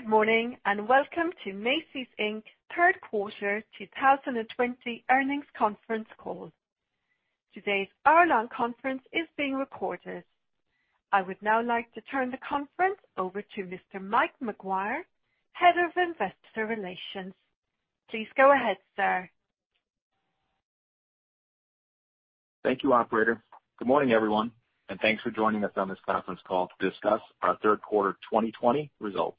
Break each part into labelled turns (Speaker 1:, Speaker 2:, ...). Speaker 1: Good morning, and welcome to Macy's, Inc. third quarter 2020 earnings conference call. Today's hour-long conference is being recorded. I would now like to turn the conference over to Mr. Mike McGuire, Head of Investor Relations. Please go ahead, sir.
Speaker 2: Thank you, operator. Good morning, everyone, and thanks for joining us on this conference call to discuss our third quarter 2020 results.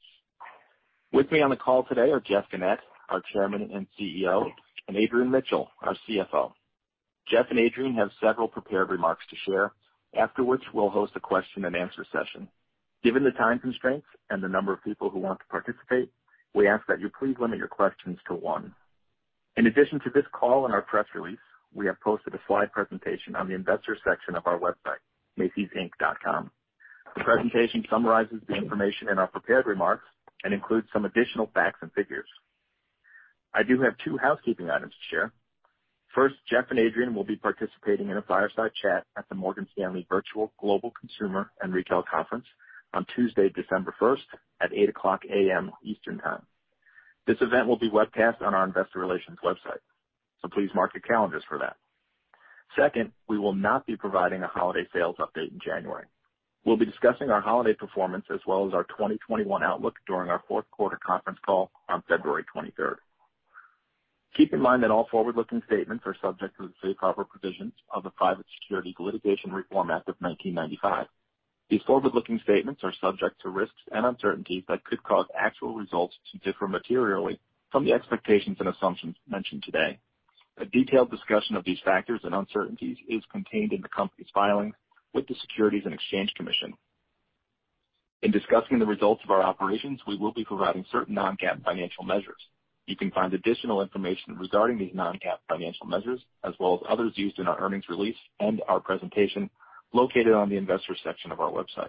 Speaker 2: With me on the call today are Jeff Gennette, our Chairman and CEO, and Adrian Mitchell, our CFO. Jeff and Adrian have several prepared remarks to share, after which we will host a question and answer session. Given the time constraints and the number of people who want to participate, we ask that you please limit your questions to one. In addition to this call and our press release, we have posted a slide presentation on the investors section of our website, macysinc.com. The presentation summarizes the information in our prepared remarks and includes some additional facts and figures. I do have two housekeeping items to share. First, Jeff and Adrian will be participating in a fireside chat at the Morgan Stanley Virtual Global Consumer and Retail Conference on Tuesday, December 1st at 8:00 A.M. Eastern Time. This event will be webcast on our investor relations website. Please mark your calendars for that. Second, we will not be providing a holiday sales update in January. We'll be discussing our holiday performance as well as our 2021 outlook during our fourth quarter conference call on February 23rd. Keep in mind that all forward-looking statements are subject to the safe harbor provisions of the Private Securities Litigation Reform Act of 1995. These forward-looking statements are subject to risks and uncertainties that could cause actual results to differ materially from the expectations and assumptions mentioned today. A detailed discussion of these factors and uncertainties is contained in the company's filings with the Securities and Exchange Commission. In discussing the results of our operations, we will be providing certain non-GAAP financial measures. You can find additional information regarding these non-GAAP financial measures, as well as others used in our earnings release and our presentation located on the investors section of our website.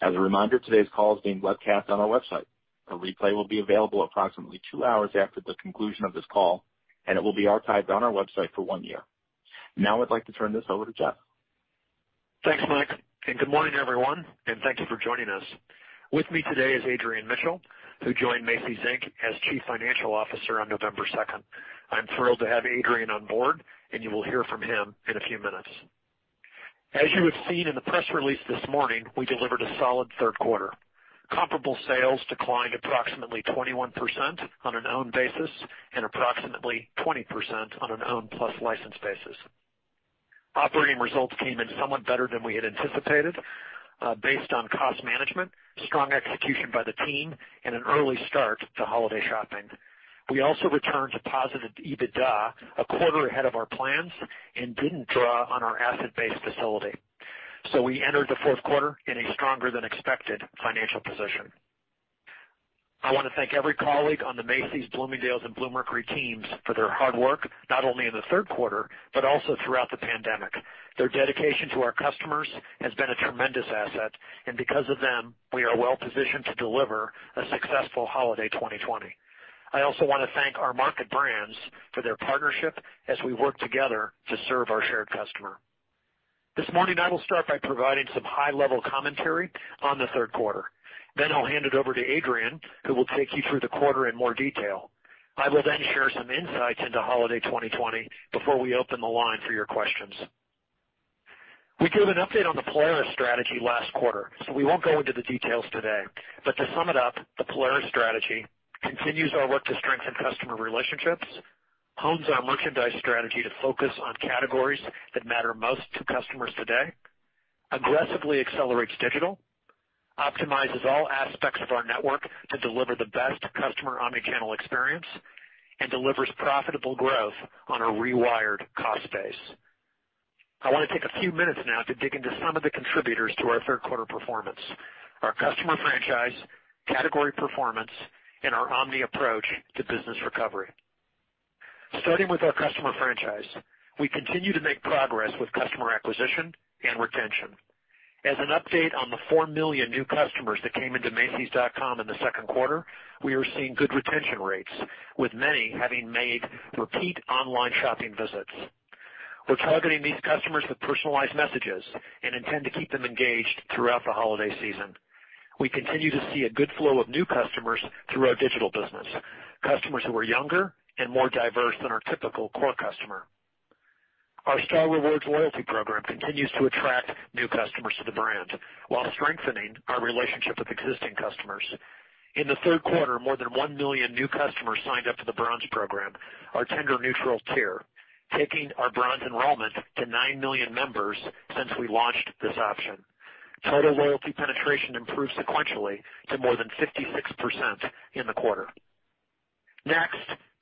Speaker 2: As a reminder, today's call is being webcast on our website. A replay will be available approximately two hours after the conclusion of this call, and it will be archived on our website for one year. Now I'd like to turn this over to Jeff.
Speaker 3: Thanks, Mike. Good morning, everyone. Thank you for joining us. With me today is Adrian Mitchell, who joined Macy's, Inc. as Chief Financial Officer on November 2nd. I'm thrilled to have Adrian on board. You will hear from him in a few minutes. As you have seen in the press release this morning, we delivered a solid third quarter. Comparable sales declined approximately 21% on an owned basis and approximately 20% on an owned plus licensed basis. Operating results came in somewhat better than we had anticipated, based on cost management, strong execution by the team, and an early start to holiday shopping. We also returned to positive EBITDA a quarter ahead of our plans and didn't draw on our asset-based facility. We entered the fourth quarter in a stronger than expected financial position. I want to thank every colleague on the Macy's, Bloomingdale's, and Bluemercury teams for their hard work, not only in the third quarter, but also throughout the pandemic. Their dedication to our customers has been a tremendous asset. Because of them, we are well-positioned to deliver a successful holiday 2020. I also want to thank our market brands for their partnership as we work together to serve our shared customer. This morning, I will start by providing some high-level commentary on the third quarter. I'll hand it over to Adrian, who will take you through the quarter in more detail. I will then share some insights into holiday 2020 before we open the line for your questions. We gave an update on the Polaris strategy last quarter, we won't go into the details today. To sum it up, the Polaris strategy continues our work to strengthen customer relationships, hones our merchandise strategy to focus on categories that matter most to customers today, aggressively accelerates digital, optimizes all aspects of our network to deliver the best customer omnichannel experience, and delivers profitable growth on a rewired cost base. I want to take a few minutes now to dig into some of the contributors to our third quarter performance, our customer franchise, category performance, and our omni approach to business recovery. Starting with our customer franchise, we continue to make progress with customer acquisition and retention. As an update on the 4 million new customers that came into macys.com in the second quarter, we are seeing good retention rates, with many having made repeat online shopping visits. We're targeting these customers with personalized messages and intend to keep them engaged throughout the holiday season. We continue to see a good flow of new customers through our digital business, customers who are younger and more diverse than our typical core customer. Our Star Rewards loyalty program continues to attract new customers to the brand while strengthening our relationship with existing customers. In the third quarter, more than 1 million new customers signed up to the Bronze program, our tender neutral tier, taking our Bronze enrollment to 9 million members since we launched this option. Total loyalty penetration improved sequentially to more than 56% in the quarter.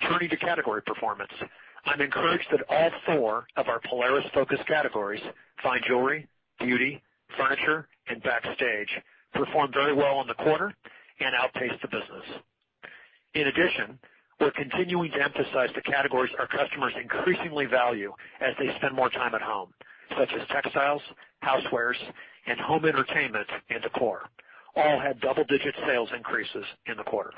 Speaker 3: Turning to category performance. I'm encouraged that all four of our Polaris-focused categories, fine jewelry, beauty, furniture, and Backstage, performed very well in the quarter and outpaced the business. We're continuing to emphasize the categories our customers increasingly value as they spend more time at home, such as textiles, housewares, and home entertainment and decor. All had double-digit sales increases in the quarter.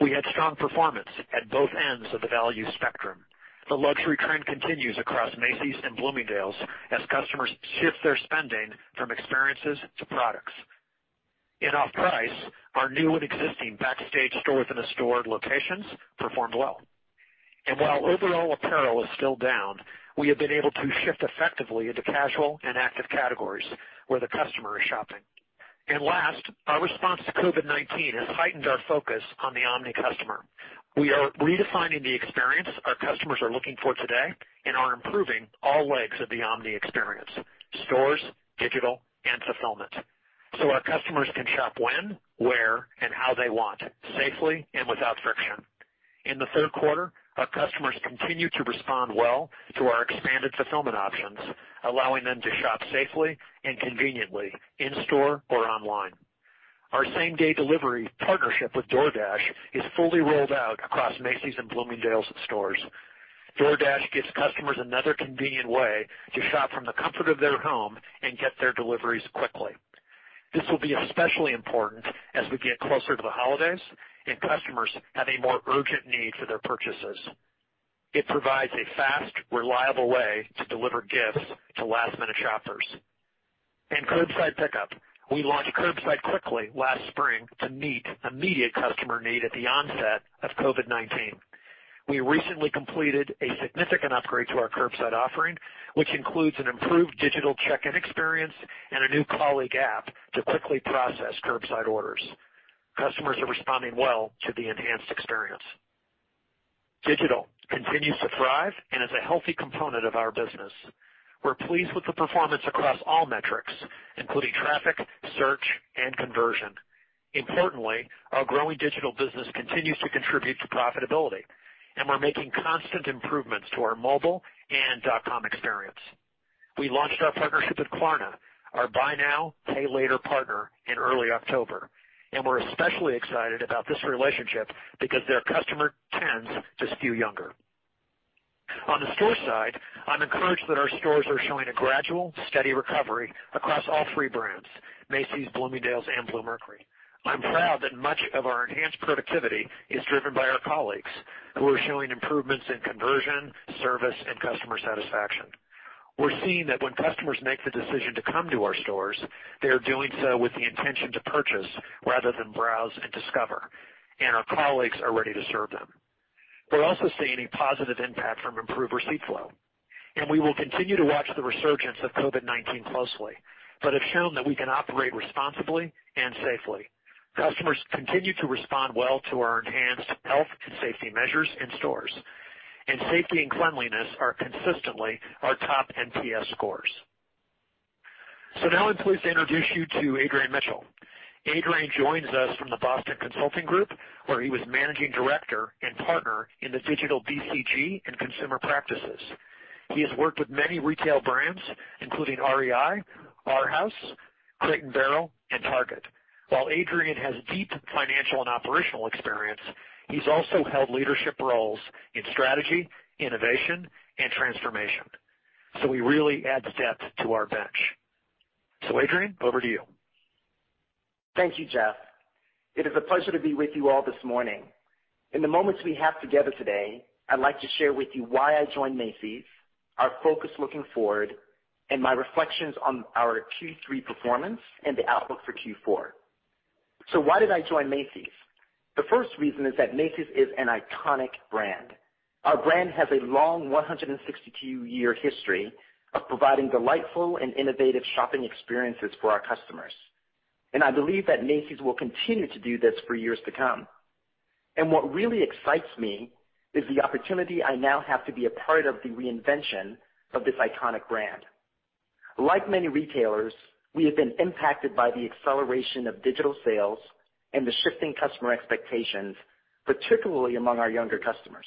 Speaker 3: We had strong performance at both ends of the value spectrum. The luxury trend continues across Macy's and Bloomingdale's as customers shift their spending from experiences to products. In off-price, our new and existing Backstage store-within-a-store locations performed well. While overall apparel is still down, we have been able to shift effectively into casual and active categories where the customer is shopping. Last, our response to COVID-19 has heightened our focus on the omni customer. We are redefining the experience our customers are looking for today and are improving all legs of the omni experience, stores, digital, and fulfillment, so our customers can shop when, where, and how they want, safely and without friction. In the third quarter, our customers continued to respond well to our expanded fulfillment options, allowing them to shop safely and conveniently in-store or online. Our same-day delivery partnership with DoorDash is fully rolled out across Macy's and Bloomingdale's stores. DoorDash gives customers another convenient way to shop from the comfort of their home and get their deliveries quickly. This will be especially important as we get closer to the holidays and customers have a more urgent need for their purchases. It provides a fast, reliable way to deliver gifts to last-minute shoppers. Curbside pickup. We launched curbside quickly last spring to meet immediate customer need at the onset of COVID-19. We recently completed a significant upgrade to our curbside offering, which includes an improved digital check-in experience and a new colleague app to quickly process curbside orders. Customers are responding well to the enhanced experience. Digital continues to thrive and is a healthy component of our business. We're pleased with the performance across all metrics, including traffic, search, and conversion. Our growing digital business continues to contribute to profitability, and we're making constant improvements to our mobile and .com experience. We launched our partnership with Klarna, our buy now, pay later partner in early October, and we're especially excited about this relationship because their customer tends to skew younger. On the store side, I'm encouraged that our stores are showing a gradual, steady recovery across all three brands, Macy's, Bloomingdale's, and Bluemercury. I'm proud that much of our enhanced productivity is driven by our colleagues, who are showing improvements in conversion, service, and customer satisfaction. We're seeing that when customers make the decision to come to our stores, they are doing so with the intention to purchase rather than browse and discover, and our colleagues are ready to serve them. We're also seeing a positive impact from improved receipt flow, and we will continue to watch the resurgence of COVID-19 closely but have shown that we can operate responsibly and safely. Customers continue to respond well to our enhanced health and safety measures in stores, and safety and cleanliness are consistently our top NPS scores. Now I'm pleased to introduce you to Adrian Mitchell. Adrian joins us from the Boston Consulting Group, where he was managing director and partner in the digital BCG and consumer practices. He has worked with many retail brands, including REI, Arhaus, Crate & Barrel and Target. While Adrian has deep financial and operational experience, he's also held leadership roles in strategy, innovation, and transformation. He really adds depth to our bench. Adrian, over to you.
Speaker 4: Thank you, Jeff. It is a pleasure to be with you all this morning. In the moments we have together today, I'd like to share with you why I joined Macy's, our focus looking forward, and my reflections on our Q3 performance and the outlook for Q4. Why did I join Macy's? The first reason is that Macy's is an iconic brand. Our brand has a long 162-year history of providing delightful and innovative shopping experiences for our customers. I believe that Macy's will continue to do this for years to come. What really excites me is the opportunity I now have to be a part of the reinvention of this iconic brand. Like many retailers, we have been impacted by the acceleration of digital sales and the shifting customer expectations, particularly among our younger customers.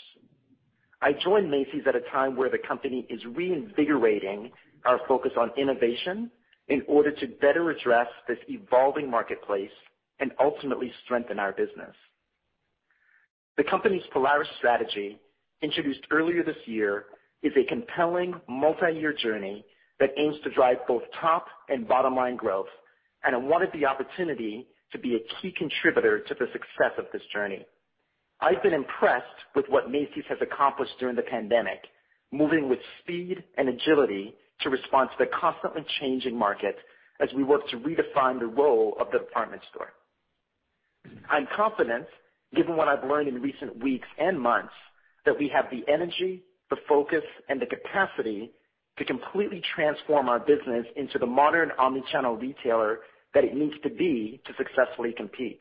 Speaker 4: I joined Macy's at a time where the company is reinvigorating our focus on innovation in order to better address this evolving marketplace and ultimately strengthen our business. The company's Polaris strategy, introduced earlier this year, is a compelling multi-year journey that aims to drive both top and bottom-line growth. I wanted the opportunity to be a key contributor to the success of this journey. I've been impressed with what Macy's has accomplished during the pandemic, moving with speed and agility to respond to the constantly changing market as we work to redefine the role of the department store. I'm confident, given what I've learned in recent weeks and months, that we have the energy, the focus, and the capacity to completely transform our business into the modern omnichannel retailer that it needs to be to successfully compete.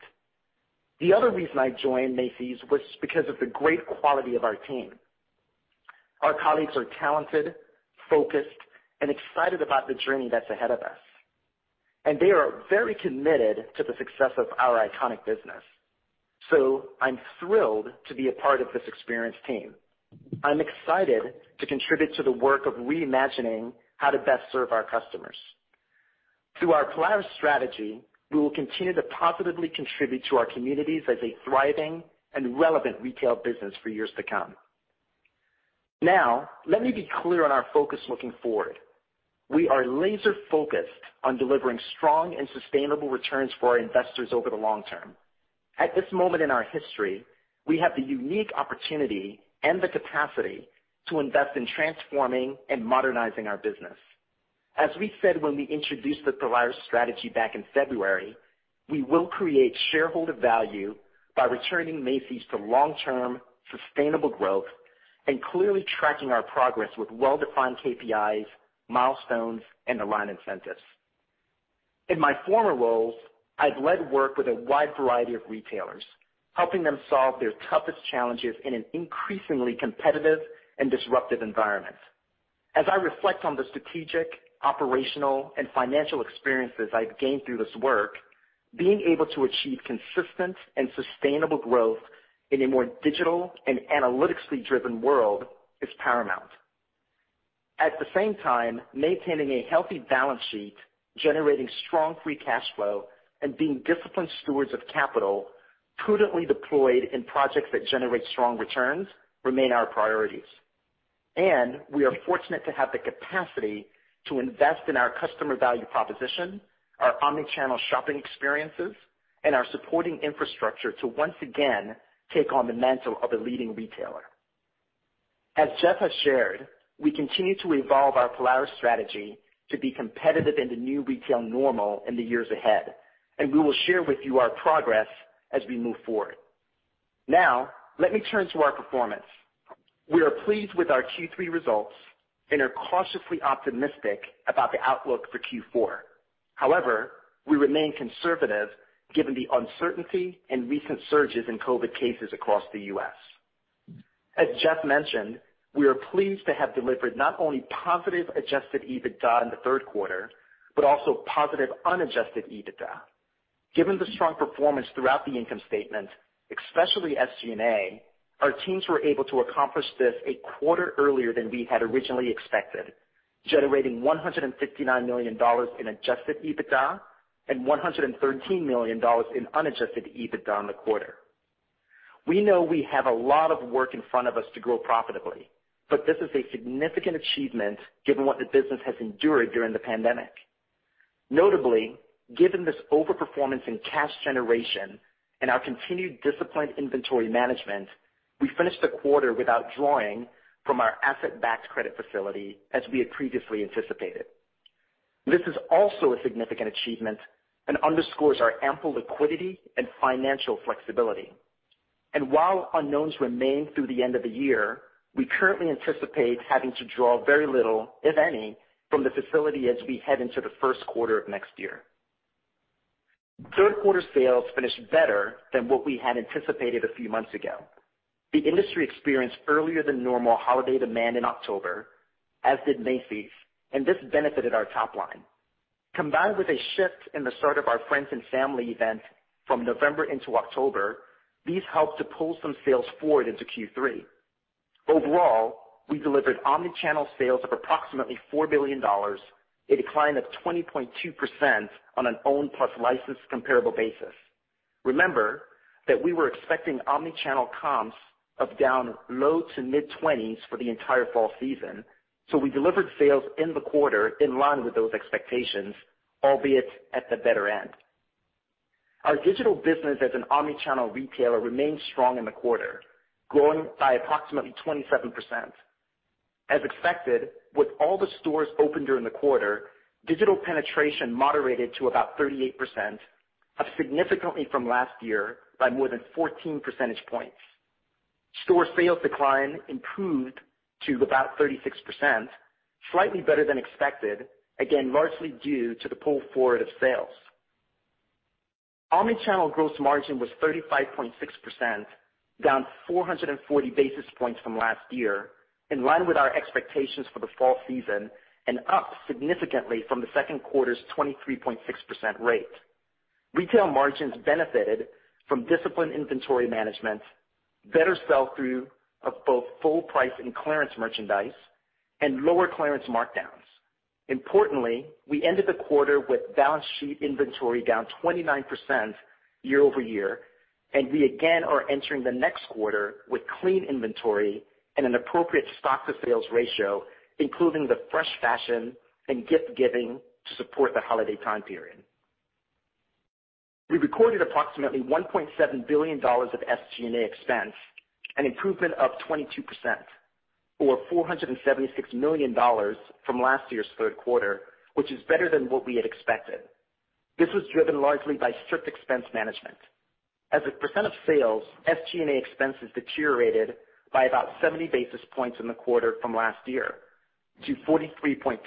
Speaker 4: The other reason I joined Macy's was because of the great quality of our team. Our colleagues are talented, focused, and excited about the journey that's ahead of us, and they are very committed to the success of our iconic business. I'm thrilled to be a part of this experienced team. I'm excited to contribute to the work of reimagining how to best serve our customers. Through our Polaris strategy, we will continue to positively contribute to our communities as a thriving and relevant retail business for years to come. Let me be clear on our focus looking forward. We are laser-focused on delivering strong and sustainable returns for our investors over the long term. At this moment in our history, we have the unique opportunity and the capacity to invest in transforming and modernizing our business. As we said when we introduced the Polaris strategy back in February, we will create shareholder value by returning Macy's to long-term sustainable growth and clearly tracking our progress with well-defined KPIs, milestones, and align incentives. In my former roles, I've led work with a wide variety of retailers, helping them solve their toughest challenges in an increasingly competitive and disruptive environment. As I reflect on the strategic, operational, and financial experiences I've gained through this work, being able to achieve consistent and sustainable growth in a more digital and analytics-driven world is paramount. At the same time, maintaining a healthy balance sheet, generating strong free cash flow, and being disciplined stewards of capital prudently deployed in projects that generate strong returns remain our priorities. We are fortunate to have the capacity to invest in our customer value proposition, our omnichannel shopping experiences, and our supporting infrastructure to once again take on the mantle of a leading retailer. As Jeff has shared, we continue to evolve our Polaris strategy to be competitive in the new retail normal in the years ahead, and we will share with you our progress as we move forward. Now, let me turn to our performance. We are pleased with our Q3 results and are cautiously optimistic about the outlook for Q4. However, we remain conservative given the uncertainty and recent surges in COVID cases across the U.S. As Jeff mentioned, we are pleased to have delivered not only positive adjusted EBITDA in the third quarter, but also positive unadjusted EBITDA. Given the strong performance throughout the income statement, especially SG&A, our teams were able to accomplish this a quarter earlier than we had originally expected, generating $159 million in adjusted EBITDA and $113 million in unadjusted EBITDA in the quarter. We know we have a lot of work in front of us to grow profitably, but this is a significant achievement given what the business has endured during the pandemic. Notably, given this over-performance in cash generation and our continued disciplined inventory management, we finished the quarter without drawing from our asset-backed credit facility as we had previously anticipated. This is also a significant achievement and underscores our ample liquidity and financial flexibility. While unknowns remain through the end of the year, we currently anticipate having to draw very little, if any, from the facility as we head into the first quarter of next year. Third quarter sales finished better than what we had anticipated a few months ago. The industry experienced earlier-than-normal holiday demand in October, as did Macy's, and this benefited our top line. Combined with a shift in the start of our Friends and Family event from November into October, these helped to pull some sales forward into Q3. Overall, we delivered omnichannel sales of approximately $4 billion, a decline of 20.2% on an owned plus licensed comparable basis. Remember that we were expecting omnichannel comps of down low to mid-20s for the entire fall season, so we delivered sales in the quarter in line with those expectations, albeit at the better end. Our digital business as an omnichannel retailer remained strong in the quarter, growing by approximately 27%. As expected, with all the stores open during the quarter, digital penetration moderated to about 38%, up significantly from last year by more than 14 percentage points. Store sales decline improved to about 36%, slightly better than expected, again, largely due to the pull forward of sales. Omnichannel gross margin was 35.6%, down 440 basis points from last year, in line with our expectations for the fall season, and up significantly from the second quarter's 23.6% rate. Retail margins benefited from disciplined inventory management, better sell-through of both full-price and clearance merchandise, and lower clearance markdowns. Importantly, we ended the quarter with balance sheet inventory down 29% year-over-year, and we again are entering the next quarter with clean inventory and an appropriate stock to sales ratio, including the fresh fashion and gift-giving to support the holiday time period. We recorded approximately $1.7 billion of SG&A expense, an improvement of 22%, or $476 million from last year's third quarter, which is better than what we had expected. This was driven largely by strict expense management. As a percent of sales, SG&A expenses deteriorated by about 70 basis points in the quarter from last year to 43.3%.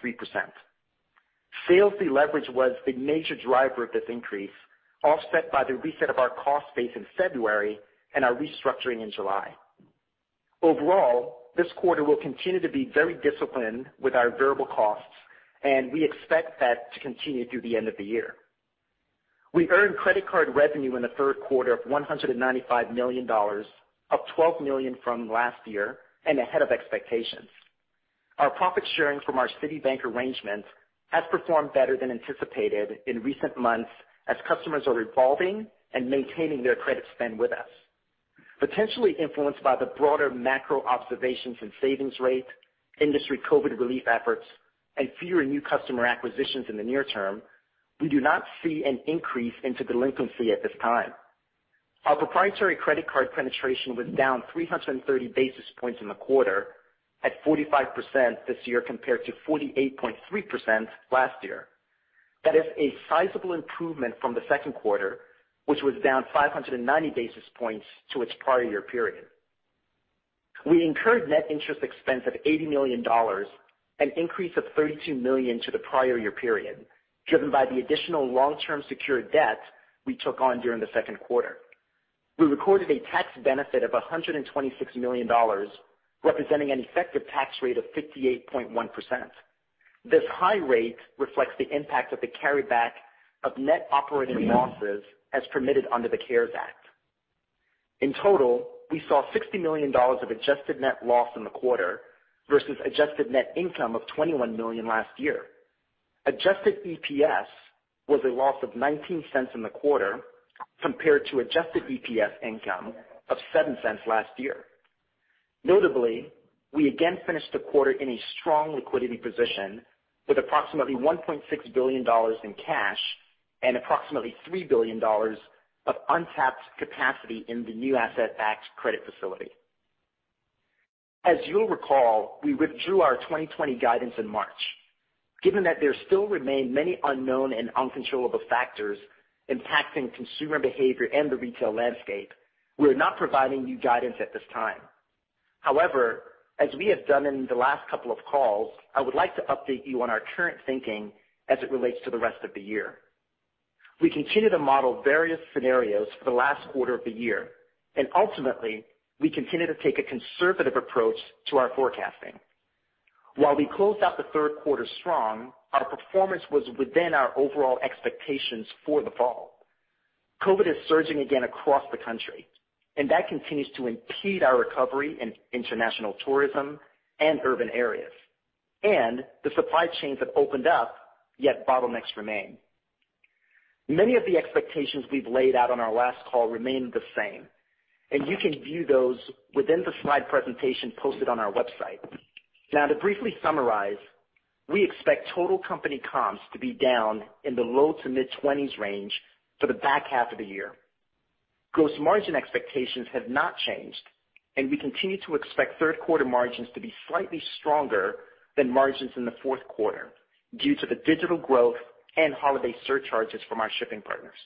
Speaker 4: Sales deleverage was the major driver of this increase, offset by the reset of our cost base in February and our restructuring in July. Overall, this quarter we'll continue to be very disciplined with our variable costs, and we expect that to continue through the end of the year. We earned credit card revenue in the third quarter of $195 million, up $12 million from last year, ahead of expectations. Our profit sharing from our Citibank arrangement has performed better than anticipated in recent months as customers are revolving and maintaining their credit spend with us. Potentially influenced by the broader macro observations and savings rate, industry COVID relief efforts, and fewer new customer acquisitions in the near term, we do not see an increase into delinquency at this time. Our proprietary credit card penetration was down 330 basis points in the quarter at 45% this year, compared to 48.3% last year. That is a sizable improvement from the second quarter, which was down 590 basis points to its prior year period. We incurred net interest expense of $80 million, an increase of $32 million to the prior year period, driven by the additional long-term secured debt we took on during the second quarter. We recorded a tax benefit of $126 million, representing an effective tax rate of 58.1%. This high rate reflects the impact of the carryback of net operating losses as permitted under the CARES Act. In total, we saw $60 million of adjusted net loss in the quarter versus adjusted net income of $21 million last year. Adjusted EPS was a loss of $0.19 in the quarter compared to adjusted EPS income of $0.07 last year. Notably, we again finished the quarter in a strong liquidity position with approximately $1.6 billion in cash and approximately $3 billion of untapped capacity in the new asset-backed credit facility. As you'll recall, we withdrew our 2020 guidance in March. Given that there still remain many unknown and uncontrollable factors impacting consumer behavior and the retail landscape, we're not providing new guidance at this time. However, as we have done in the last couple of calls, I would like to update you on our current thinking as it relates to the rest of the year. We continue to model various scenarios for the last quarter of the year, and ultimately, we continue to take a conservative approach to our forecasting. While we closed out the third quarter strong, our performance was within our overall expectations for the fall. COVID is surging again across the country, and that continues to impede our recovery in international tourism and urban areas, and the supply chains have opened up, yet bottlenecks remain. Many of the expectations we've laid out on our last call remain the same, and you can view those within the slide presentation posted on our website. Now, to briefly summarize, we expect total company comps to be down in the low to mid-20s range for the back half of the year. Gross margin expectations have not changed, and we continue to expect third quarter margins to be slightly stronger than margins in the fourth quarter due to the digital growth and holiday surcharges from our shipping partners.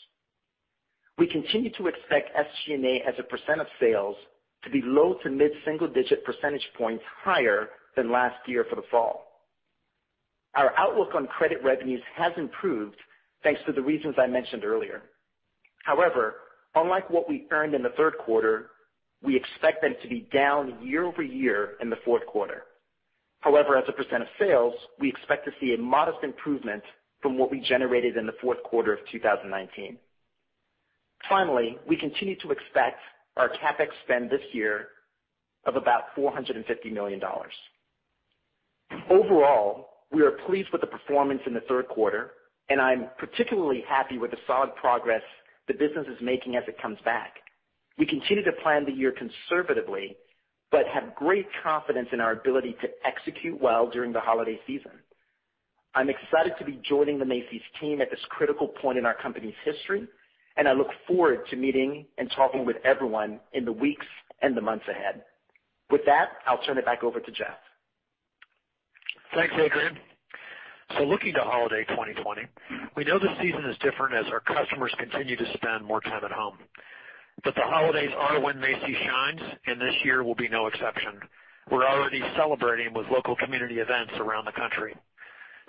Speaker 4: We continue to expect SG&A as a percent of sales to be low to mid-single-digit percentage points higher than last year for the fall. Our outlook on credit revenues has improved, thanks to the reasons I mentioned earlier. However, unlike what we earned in the third quarter, we expect them to be down year-over-year in the fourth quarter. However, as a percent of sales, we expect to see a modest improvement from what we generated in the fourth quarter of 2019. Finally, we continue to expect our CapEx spend this year of about $450 million. Overall, we are pleased with the performance in the third quarter, and I'm particularly happy with the solid progress the business is making as it comes back. We continue to plan the year conservatively, but have great confidence in our ability to execute well during the holiday season. I'm excited to be joining the Macy's team at this critical point in our company's history, and I look forward to meeting and talking with everyone in the weeks and the months ahead. With that, I'll turn it back over to Jeff.
Speaker 3: Thanks, Adrian. Looking to holiday 2020, we know the season is different as our customers continue to spend more time at home. The holidays are when Macy's shines, and this year will be no exception. We're already celebrating with local community events around the country.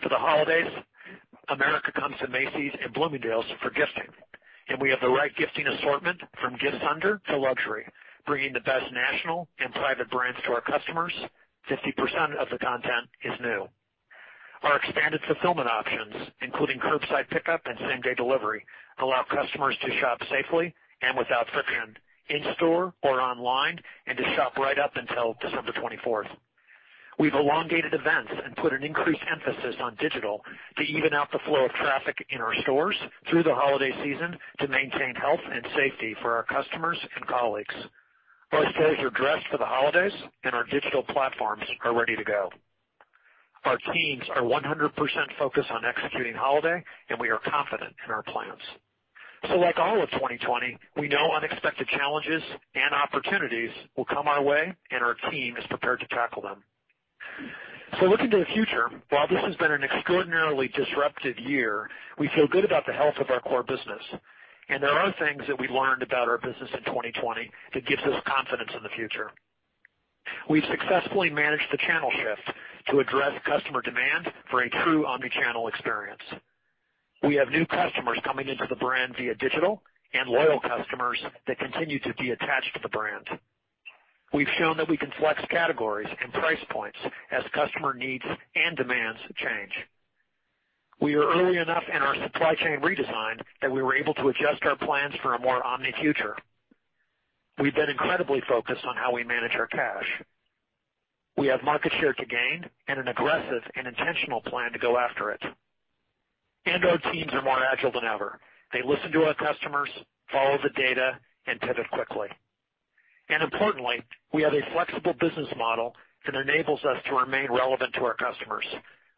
Speaker 3: For the holidays, America comes to Macy's and Bloomingdale's for gifting, and we have the right gifting assortment from gifts under to luxury, bringing the best national and private brands to our customers. 50% of the content is new. Our expanded fulfillment options, including curbside pickup and same-day delivery, allow customers to shop safely and without friction in store or online, and to shop right up until December 24th. We've elongated events and put an increased emphasis on digital to even out the flow of traffic in our stores through the holiday season to maintain health and safety for our customers and colleagues. Our stores are dressed for the holidays and our digital platforms are ready to go. Our teams are 100% focused on executing holiday, and we are confident in our plans. Like all of 2020, we know unexpected challenges and opportunities will come our way, and our team is prepared to tackle them. Looking to the future, while this has been an extraordinarily disruptive year, we feel good about the health of our core business. There are things that we learned about our business in 2020 that gives us confidence in the future. We've successfully managed the channel shift to address customer demand for a true omnichannel experience. We have new customers coming into the brand via digital and loyal customers that continue to be attached to the brand. We've shown that we can flex categories and price points as customer needs and demands change. We are early enough in our supply chain redesign that we were able to adjust our plans for a more omni future. We've been incredibly focused on how we manage our cash. We have market share to gain and an aggressive and intentional plan to go after it. Our teams are more agile than ever. They listen to our customers, follow the data, and pivot quickly. Importantly, we have a flexible business model that enables us to remain relevant to our customers.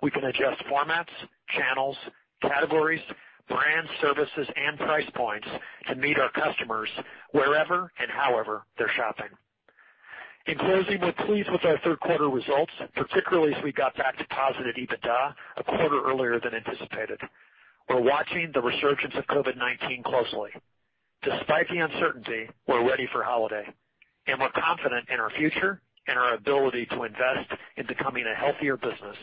Speaker 3: We can adjust formats, channels, categories, brands, services, and price points to meet our customers wherever and however they're shopping. In closing, we're pleased with our third quarter results, particularly as we got back to positive EBITDA a quarter earlier than anticipated. We're watching the resurgence of COVID-19 closely. Despite the uncertainty, we're ready for holiday, and we're confident in our future and our ability to invest in becoming a healthier business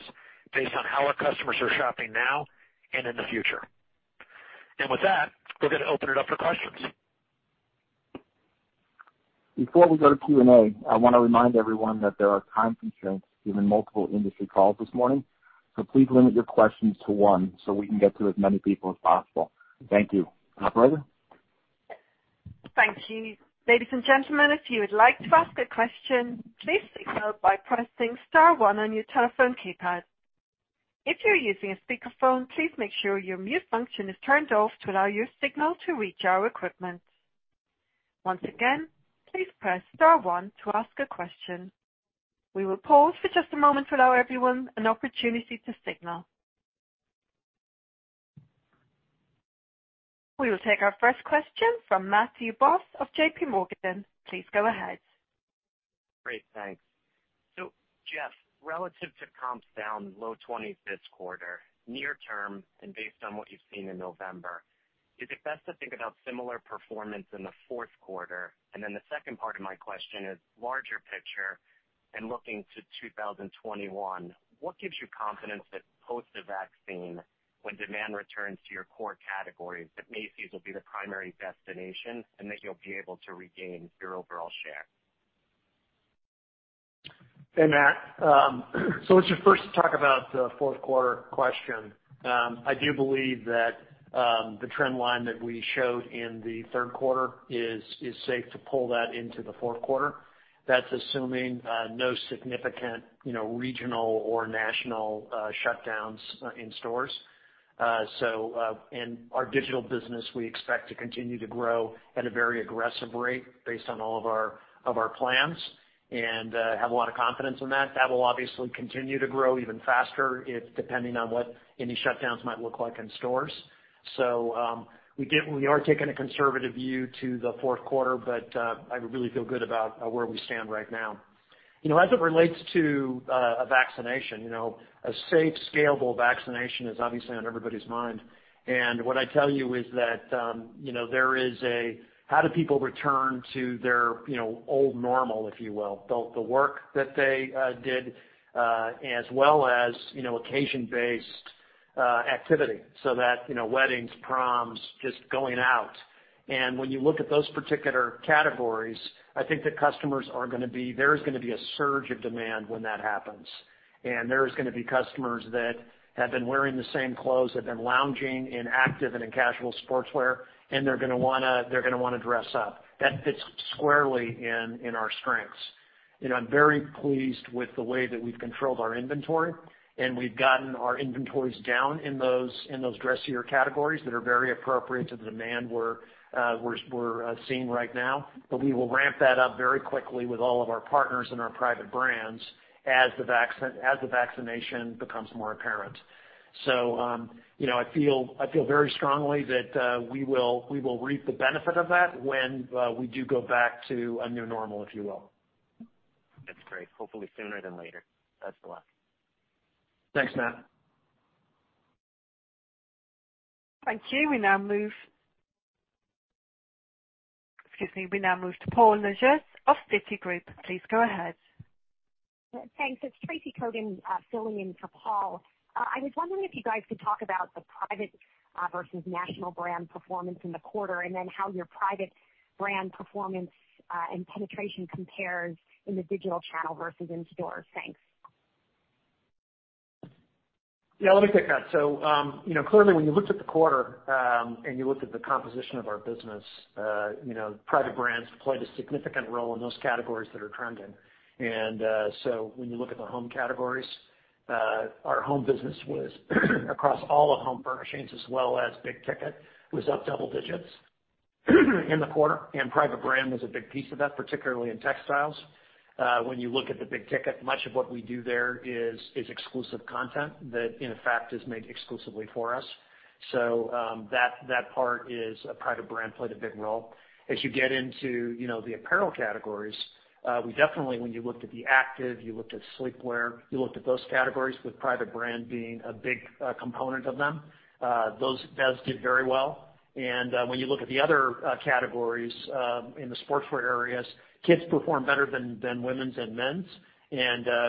Speaker 3: based on how our customers are shopping now and in the future. With that, we're going to open it up for questions.
Speaker 2: Before we go to Q&A, I want to remind everyone that there are time constraints given multiple industry calls this morning. Please limit your questions to one so we can get to as many people as possible. Thank you. Operator?
Speaker 1: Thank you. Ladies and gentlemen, if you would like to ask a question, please signal by pressing star one on your telephone keypad. If you're using a speakerphone, please make sure your mute function is turned off to allow your signal to reach our equipment. Once again, please press star one to ask a question. We will pause for just a moment to allow everyone an opportunity to signal. We will take our first question from Matthew Boss of JPMorgan. Please go ahead.
Speaker 5: Great, thanks. Jeff, relative to comps down low-20s this quarter, near term, and based on what you've seen in November, is it best to think about similar performance in the fourth quarter? The second part of my question is larger picture and looking to 2021, what gives you confidence that post the vaccine, when demand returns to your core categories, that Macy's will be the primary destination and that you'll be able to regain your overall share?
Speaker 3: Hey, Matt. Let's just first talk about the fourth quarter question. I do believe that the trend line that we showed in the third quarter is safe to pull that into the fourth quarter. That's assuming no significant regional or national shutdowns in stores. In our digital business, we expect to continue to grow at a very aggressive rate based on all of our plans and have a lot of confidence in that. That will obviously continue to grow even faster depending on what any shutdowns might look like in stores. We are taking a conservative view to the fourth quarter, but I really feel good about where we stand right now. As it relates to a vaccination, a safe, scalable vaccination is obviously on everybody's mind. What I tell you is that there is a how do people return to their old normal, if you will, both the work that they did, as well as occasion-based activity. That, weddings, proms, just going out. When you look at those particular categories, I think that there is going to be a surge of demand when that happens. There is going to be customers that have been wearing the same clothes, that have been lounging in active and in casual sportswear, and they're going to want to dress up. That fits squarely in our strengths. I'm very pleased with the way that we've controlled our inventory, and we've gotten our inventories down in those dressier categories that are very appropriate to the demand we're seeing right now. We will ramp that up very quickly with all of our partners and our private brands as the vaccination becomes more apparent. I feel very strongly that we will reap the benefit of that when we do go back to a new normal, if you will.
Speaker 5: That's great. Hopefully sooner than later. Best of luck.
Speaker 3: Thanks, Matt.
Speaker 1: Thank you. We now move to Paul Lejuez of Citigroup. Please go ahead.
Speaker 6: Thanks. It's Tracy Kogan filling in for Paul. I was wondering if you guys could talk about the private versus national brand performance in the quarter, and then how your private brand performance and penetration compares in the digital channel versus in stores. Thanks.
Speaker 3: Let me take that. Clearly when you looked at the quarter, and you looked at the composition of our business, private brands played a significant role in those categories that are trending. When you look at the home categories, our home business was across all of home furnishings as well as big ticket, was up double digits in the quarter. Private brand was a big piece of that, particularly in textiles. When you look at the big ticket, much of what we do there is exclusive content that in fact is made exclusively for us. That part is a private brand played a big role. As you get into the apparel categories, we definitely, when you looked at the active, you looked at sleepwear, you looked at those categories with private brand being a big component of them. Those did very well. When you look at the other categories in the sportswear areas, kids performed better than women's and men's.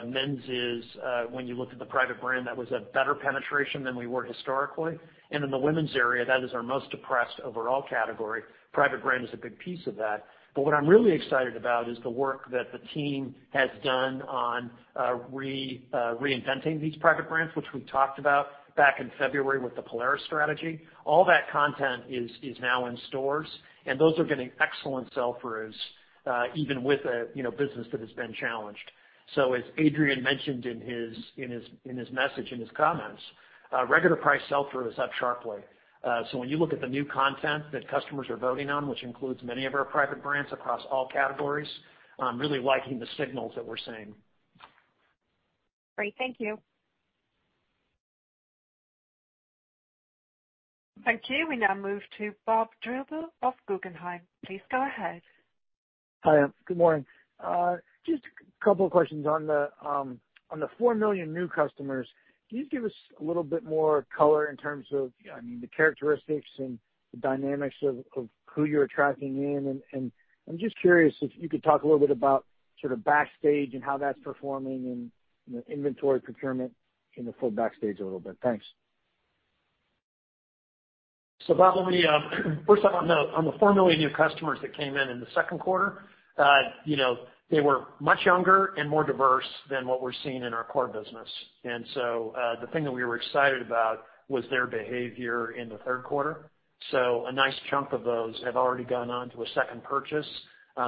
Speaker 3: Men's is, when you looked at the private brand, that was a better penetration than we were historically. In the women's area, that is our most depressed overall category. Private brand is a big piece of that. What I'm really excited about is the work that the team has done on reinventing these private brands, which we talked about back in February with the Polaris strategy. All that content is now in stores, and those are getting excellent sell-throughs, even with a business that has been challenged. As Adrian mentioned in his message, in his comments, regular price sell-through is up sharply. When you look at the new content that customers are voting on, which includes many of our private brands across all categories, I'm really liking the signals that we're seeing.
Speaker 6: Great. Thank you.
Speaker 1: Thank you. We now move to Bob Drbul of Guggenheim. Please go ahead.
Speaker 7: Hi. Good morning. Just a couple of questions. On the 4 million new customers, can you give us a little bit more color in terms of the characteristics and the dynamics of who you're attracting in? I'm just curious if you could talk a little bit about Backstage and how that's performing and the inventory procurement in the full Backstage a little bit. Thanks.
Speaker 3: Bob, let me, first off on the 4 million new customers that came in in the second quarter, they were much younger and more diverse than what we're seeing in our core business. The thing that we were excited about was their behavior in the third quarter. A nice chunk of those have already gone on to a second purchase,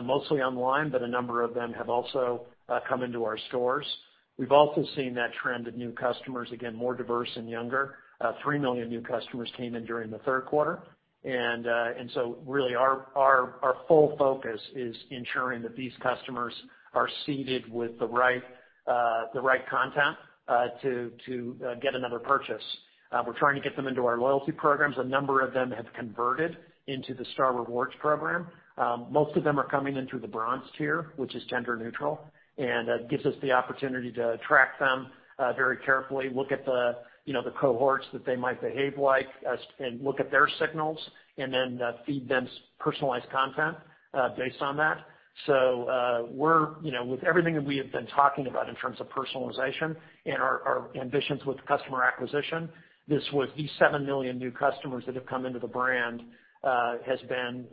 Speaker 3: mostly online, but a number of them have also come into our stores. We've also seen that trend of new customers, again, more diverse and younger. 3 million new customers came in during the third quarter. Really our full focus is ensuring that these customers are seeded with the right content to get another purchase. We're trying to get them into our loyalty programs. A number of them have converted into the Star Rewards program. Most of them are coming in through the Bronze tier, which is tender neutral, gives us the opportunity to track them very carefully, look at the cohorts that they might behave like, look at their signals, and then feed them personalized content based on that. With everything that we have been talking about in terms of personalization and our ambitions with customer acquisition, these 7 million new customers that have come into the brand has been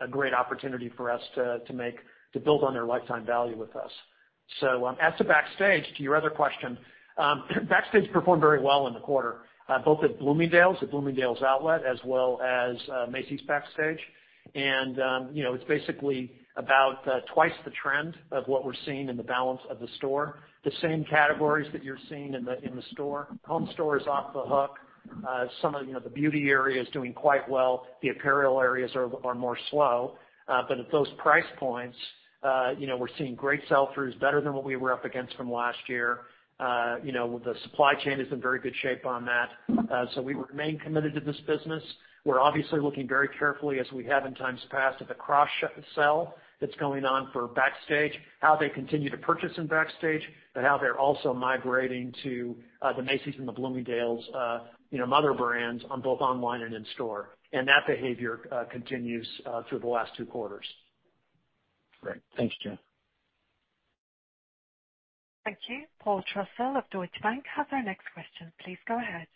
Speaker 3: a great opportunity for us to build on their lifetime value with us. As to Backstage, to your other question, Backstage performed very well in the quarter, both at Bloomingdale's, at Bloomingdale's Outlet, as well as Macy's Backstage. It's basically about twice the trend of what we're seeing in the balance of the store. The same categories that you're seeing in the store. Home store is off the hook. Some of the beauty area is doing quite well. The apparel areas are more slow. At those price points, we're seeing great sell-throughs, better than what we were up against from last year. The supply chain is in very good shape on that. We remain committed to this business. We're obviously looking very carefully, as we have in times past, at the cross sell that's going on for Backstage, how they continue to purchase in Backstage, but how they're also migrating to the Macy's and the Bloomingdale's mother brands on both online and in store. That behavior continues through the last two quarters.
Speaker 7: Great. Thanks, Jeff.
Speaker 1: Thank you. Paul Trussell of Deutsche Bank has our next question. Please go ahead.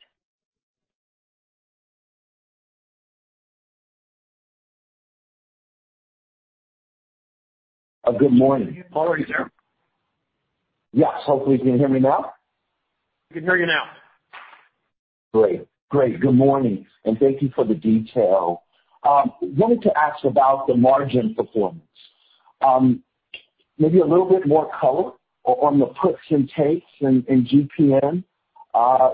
Speaker 8: Good morning.
Speaker 3: Paul, are you there?
Speaker 8: Yes, hopefully you can hear me now.
Speaker 3: We can hear you now.
Speaker 8: Great. Good morning. Thank you for the detail. I wanted to ask about the margin performance. Maybe a little bit more color on the puts and takes in GPM,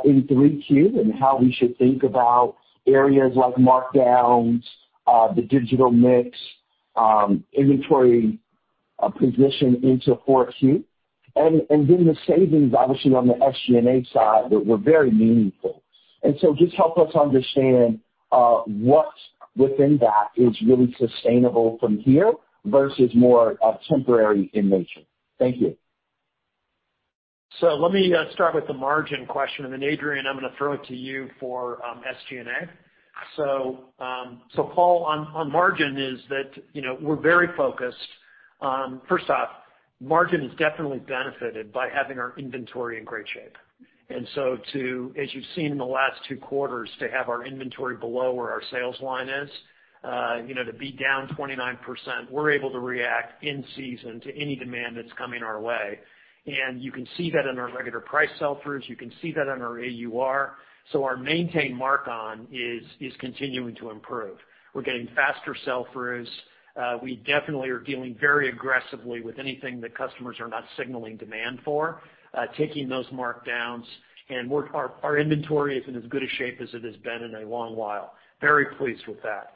Speaker 8: in 3Q and how we should think about areas like markdowns, the digital mix, inventory position into 4Q. Then the savings, obviously on the SG&A side, were very meaningful. So just help us understand what within that is really sustainable from here versus more temporary in nature. Thank you.
Speaker 3: Let me start with the margin question, and then Adrian, I'm gonna throw it to you for SG&A. Paul, on margin is that we're very focused. First off, margin has definitely benefited by having our inventory in great shape. As you've seen in the last two quarters, to have our inventory below where our sales line is, to be down 29%, we're able to react in season to any demand that's coming our way. You can see that in our regular price sell-throughs. You can see that in our AUR. Our maintained mark-on is continuing to improve. We're getting faster sell-throughs. We definitely are dealing very aggressively with anything that customers are not signaling demand for, taking those markdowns, and our inventory is in as good a shape as it has been in a long while. Very pleased with that.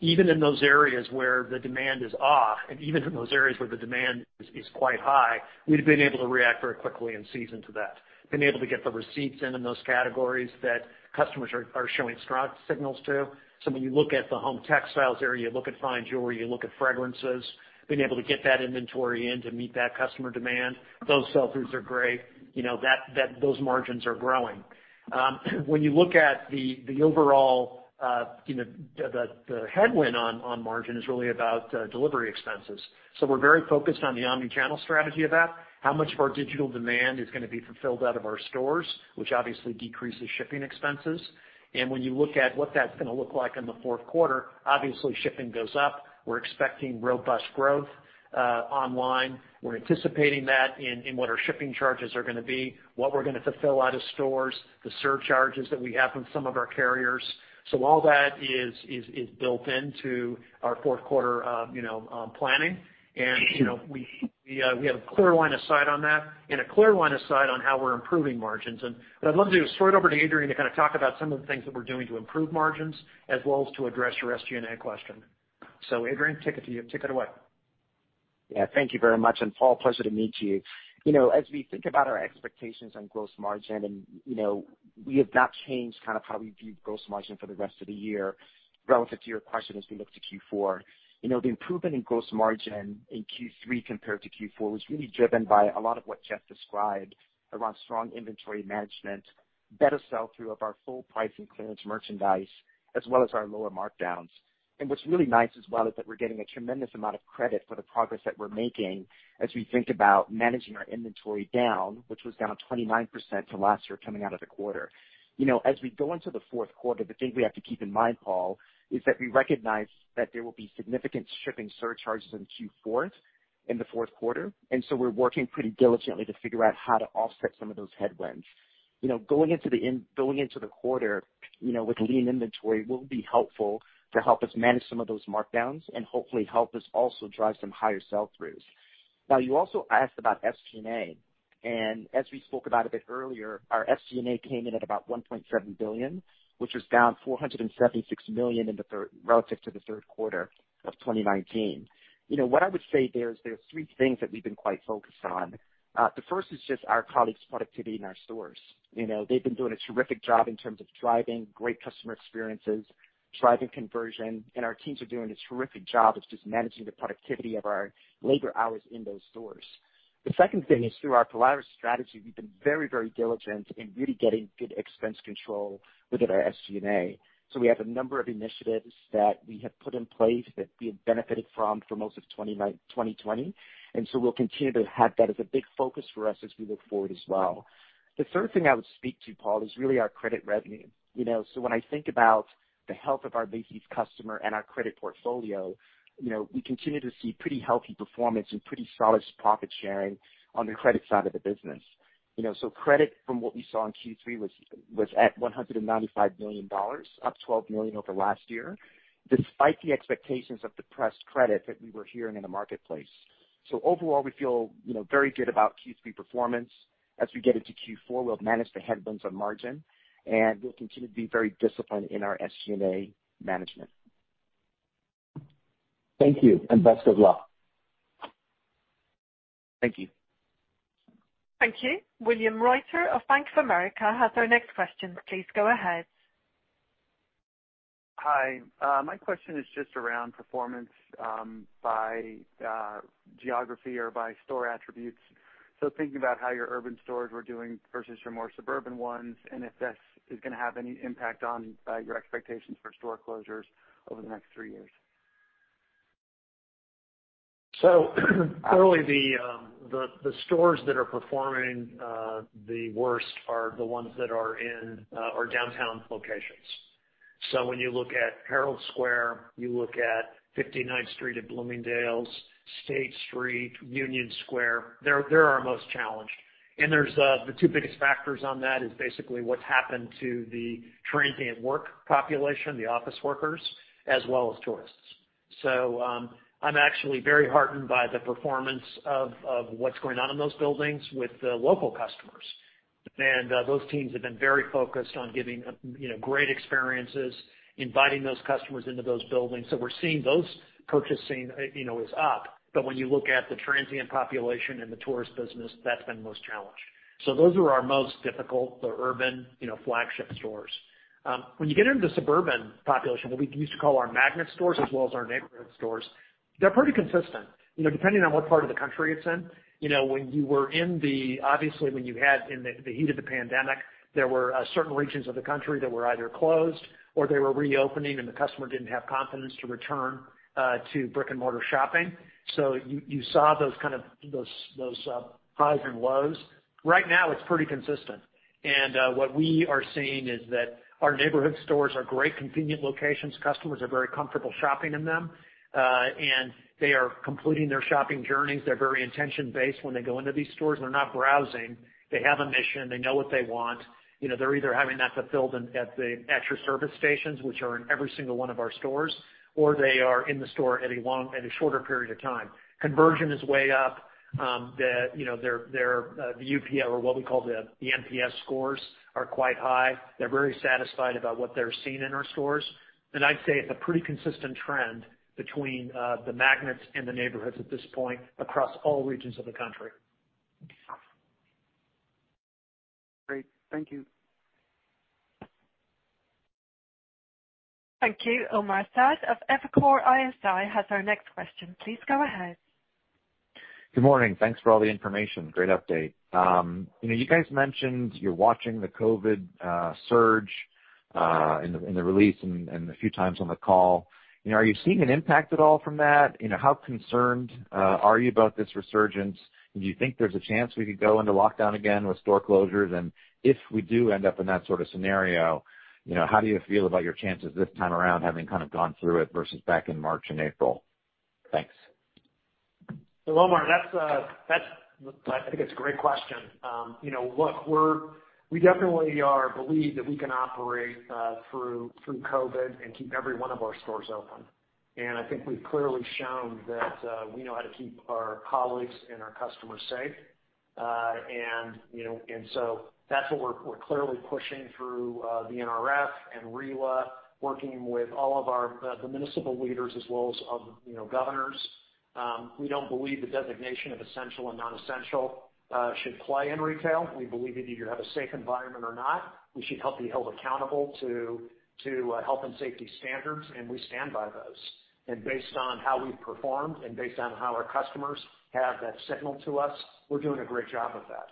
Speaker 3: Even in those areas where the demand is off, and even in those areas where the demand is quite high, we've been able to react very quickly in season to that. Been able to get the receipts in those categories that customers are showing strong signals to. When you look at the home textiles area, look at fine jewelry, you look at fragrances, been able to get that inventory in to meet that customer demand. Those sell-throughs are great. Those margins are growing. When you look at the overall, the headwind on margin is really about delivery expenses. We're very focused on the omnichannel strategy of that, how much of our digital demand is gonna be fulfilled out of our stores, which obviously decreases shipping expenses. When you look at what that's gonna look like in the fourth quarter, obviously shipping goes up. We're expecting robust growth online. We're anticipating that in what our shipping charges are gonna be, what we're gonna fulfill out of stores, the surcharges that we have from some of our carriers. All that is built into our fourth quarter planning. We have a clear line of sight on that and a clear line of sight on how we're improving margins. What I'd love to do is throw it over to Adrian to talk about some of the things that we're doing to improve margins as well as to address your SG&A question. Adrian, take it away.
Speaker 4: Yeah, thank you very much. Paul, pleasure to meet you. As we think about our expectations on gross margin, and we have not changed how we view gross margin for the rest of the year relative to your question as we look to Q4. The improvement in gross margin in Q3 compared to Q4 was really driven by a lot of what Jeff described around strong inventory management, better sell-through of our full price and clearance merchandise, as well as our lower markdowns. What's really nice as well is that we're getting a tremendous amount of credit for the progress that we're making as we think about managing our inventory down, which was down 29% to last year coming out of the quarter. As we go into the fourth quarter, the thing we have to keep in mind, Paul, is that we recognize that there will be significant shipping surcharges in Q4, in the fourth quarter. So we're working pretty diligently to figure out how to offset some of those headwinds. Going into the quarter, with lean inventory will be helpful to help us manage some of those markdowns and hopefully help us also drive some higher sell-throughs. You also asked about SG&A, and as we spoke about a bit earlier, our SG&A came in at about $1.7 billion, which was down $476 million relative to the third quarter of 2019. What I would say there is there are three things that we've been quite focused on. The first is just our colleagues' productivity in our stores. They've been doing a terrific job in terms of driving great customer experiences, driving conversion, and our teams are doing a terrific job of just managing the productivity of our labor hours in those stores. The second thing is through our Polaris strategy, we've been very, very diligent in really getting good expense control within our SG&A. We have a number of initiatives that we have put in place that we have benefited from for most of 2020. We'll continue to have that as a big focus for us as we look forward as well. The third thing I would speak to, Paul, is really our credit revenue. When I think about the health of our Macy's customer and our credit portfolio, we continue to see pretty healthy performance and pretty solid profit sharing on the credit side of the business. Credit, from what we saw in Q3, was at $195 million, up $12 million over last year, despite the expectations of depressed credit that we were hearing in the marketplace. Overall, we feel very good about Q3 performance. As we get into Q4, we'll manage the headwinds on margin, and we'll continue to be very disciplined in our SG&A management.
Speaker 8: Thank you, and best of luck.
Speaker 4: Thank you.
Speaker 1: Thank you. William Reuter of Bank of America has our next question. Please go ahead.
Speaker 9: Hi. My question is just around performance by geography or by store attributes. Thinking about how your urban stores were doing versus your more suburban ones, and if this is going to have any impact on your expectations for store closures over the next three years.
Speaker 3: Clearly the stores that are performing the worst are the ones that are downtown locations. When you look at Herald Square, you look at 59th Street at Bloomingdale's, State Street, Union Square, they're our most challenged. The two biggest factors on that is basically what's happened to the transient work population, the office workers, as well as tourists. I'm actually very heartened by the performance of what's going on in those buildings with the local customers. Those teams have been very focused on giving great experiences, inviting those customers into those buildings. We're seeing those purchasing is up. When you look at the transient population and the tourist business, that's been most challenged. Those are our most difficult, the urban flagship stores. When you get into the suburban population, what we used to call our magnet stores as well as our neighborhood stores, they're pretty consistent. Depending on what part of the country it's in. Obviously, when you had in the heat of the pandemic, there were certain regions of the country that were either closed or they were reopening, and the customer didn't have confidence to return to brick-and-mortar shopping. You saw those kinds of highs and lows. Right now, it's pretty consistent. What we are seeing is that our neighborhood stores are great, convenient locations. Customers are very comfortable shopping in them. They are completing their shopping journeys. They're very intention-based when they go into these stores. They're not browsing. They have a mission. They know what they want. They're either having that fulfilled at your service stations, which are in every single one of our stores, or they are in the store at a shorter period of time. Conversion is way up. The UPL, or what we call the NPS scores, are quite high. They're very satisfied about what they're seeing in our stores. I'd say it's a pretty consistent trend between the magnets and the neighborhoods at this point across all regions of the country.
Speaker 9: Great. Thank you.
Speaker 1: Thank you. Omar Saad of Evercore ISI has our next question. Please go ahead.
Speaker 10: Good morning. Thanks for all the information. Great update. You guys mentioned you're watching the COVID surge in the release and a few times on the call. Are you seeing an impact at all from that? How concerned are you about this resurgence? Do you think there's a chance we could go into lockdown again with store closures? If we do end up in that sort of scenario, how do you feel about your chances this time around, having kind of gone through it versus back in March and April? Thanks.
Speaker 3: Omar, I think it's a great question. We definitely believe that we can operate through COVID and keep every one of our stores open. I think we've clearly shown that we know how to keep our colleagues and our customers safe. That's what we're clearly pushing through the NRF and RILA, working with all of the municipal leaders as well as governors. We don't believe the designation of essential and non-essential should play in retail. We believe that if you have a safe environment or not, we should help be held accountable to health and safety standards, and we stand by those. Based on how we've performed and based on how our customers have that signal to us, we're doing a great job of that.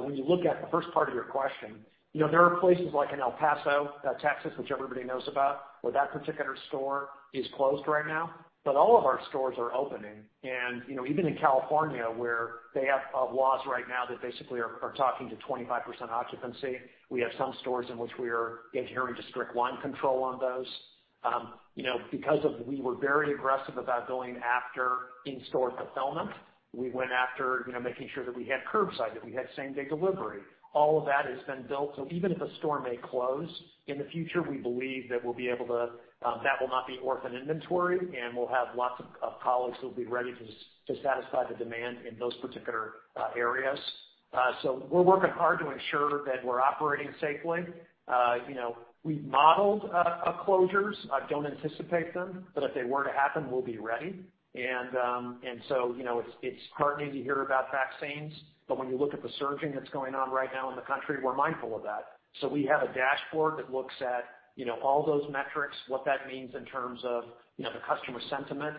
Speaker 3: When you look at the first part of your question, there are places like in El Paso, Texas, which everybody knows about, where that particular store is closed right now. All of our stores are opening. Even in California, where they have laws right now that basically are talking to 25% occupancy, we have some stores in which we are adhering to strict line control on those. Because we were very aggressive about going after in-store fulfillment, we went after making sure that we had curbside, that we had same-day delivery. All of that has been built. Even if a store may close in the future, we believe that that will not be orphaned inventory, and we'll have lots of colleagues who'll be ready to satisfy the demand in those particular areas. We're working hard to ensure that we're operating safely. We've modeled closures. I don't anticipate them, but if they were to happen, we'll be ready. It's heartening to hear about vaccines. When you look at the surging that's going on right now in the country, we're mindful of that. We have a dashboard that looks at all those metrics, what that means in terms of the customer sentiment,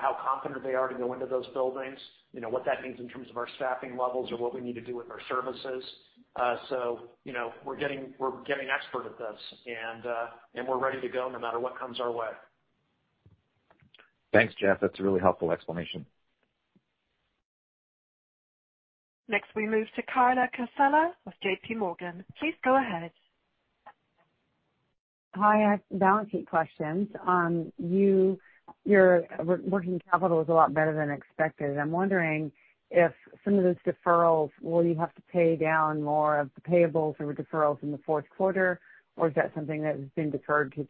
Speaker 3: how confident they are to go into those buildings, what that means in terms of our staffing levels or what we need to do with our services. We're getting expert at this, and we're ready to go no matter what comes our way.
Speaker 10: Thanks, Jeff. That's a really helpful explanation.
Speaker 1: Next, we move to Carla Casella with JPMorgan. Please go ahead.
Speaker 11: Hi. Balance sheet questions. Your working capital is a lot better than expected. I'm wondering if some of those deferrals, will you have to pay down more of the payables that were deferred from the fourth quarter, or is that something that has been deferred to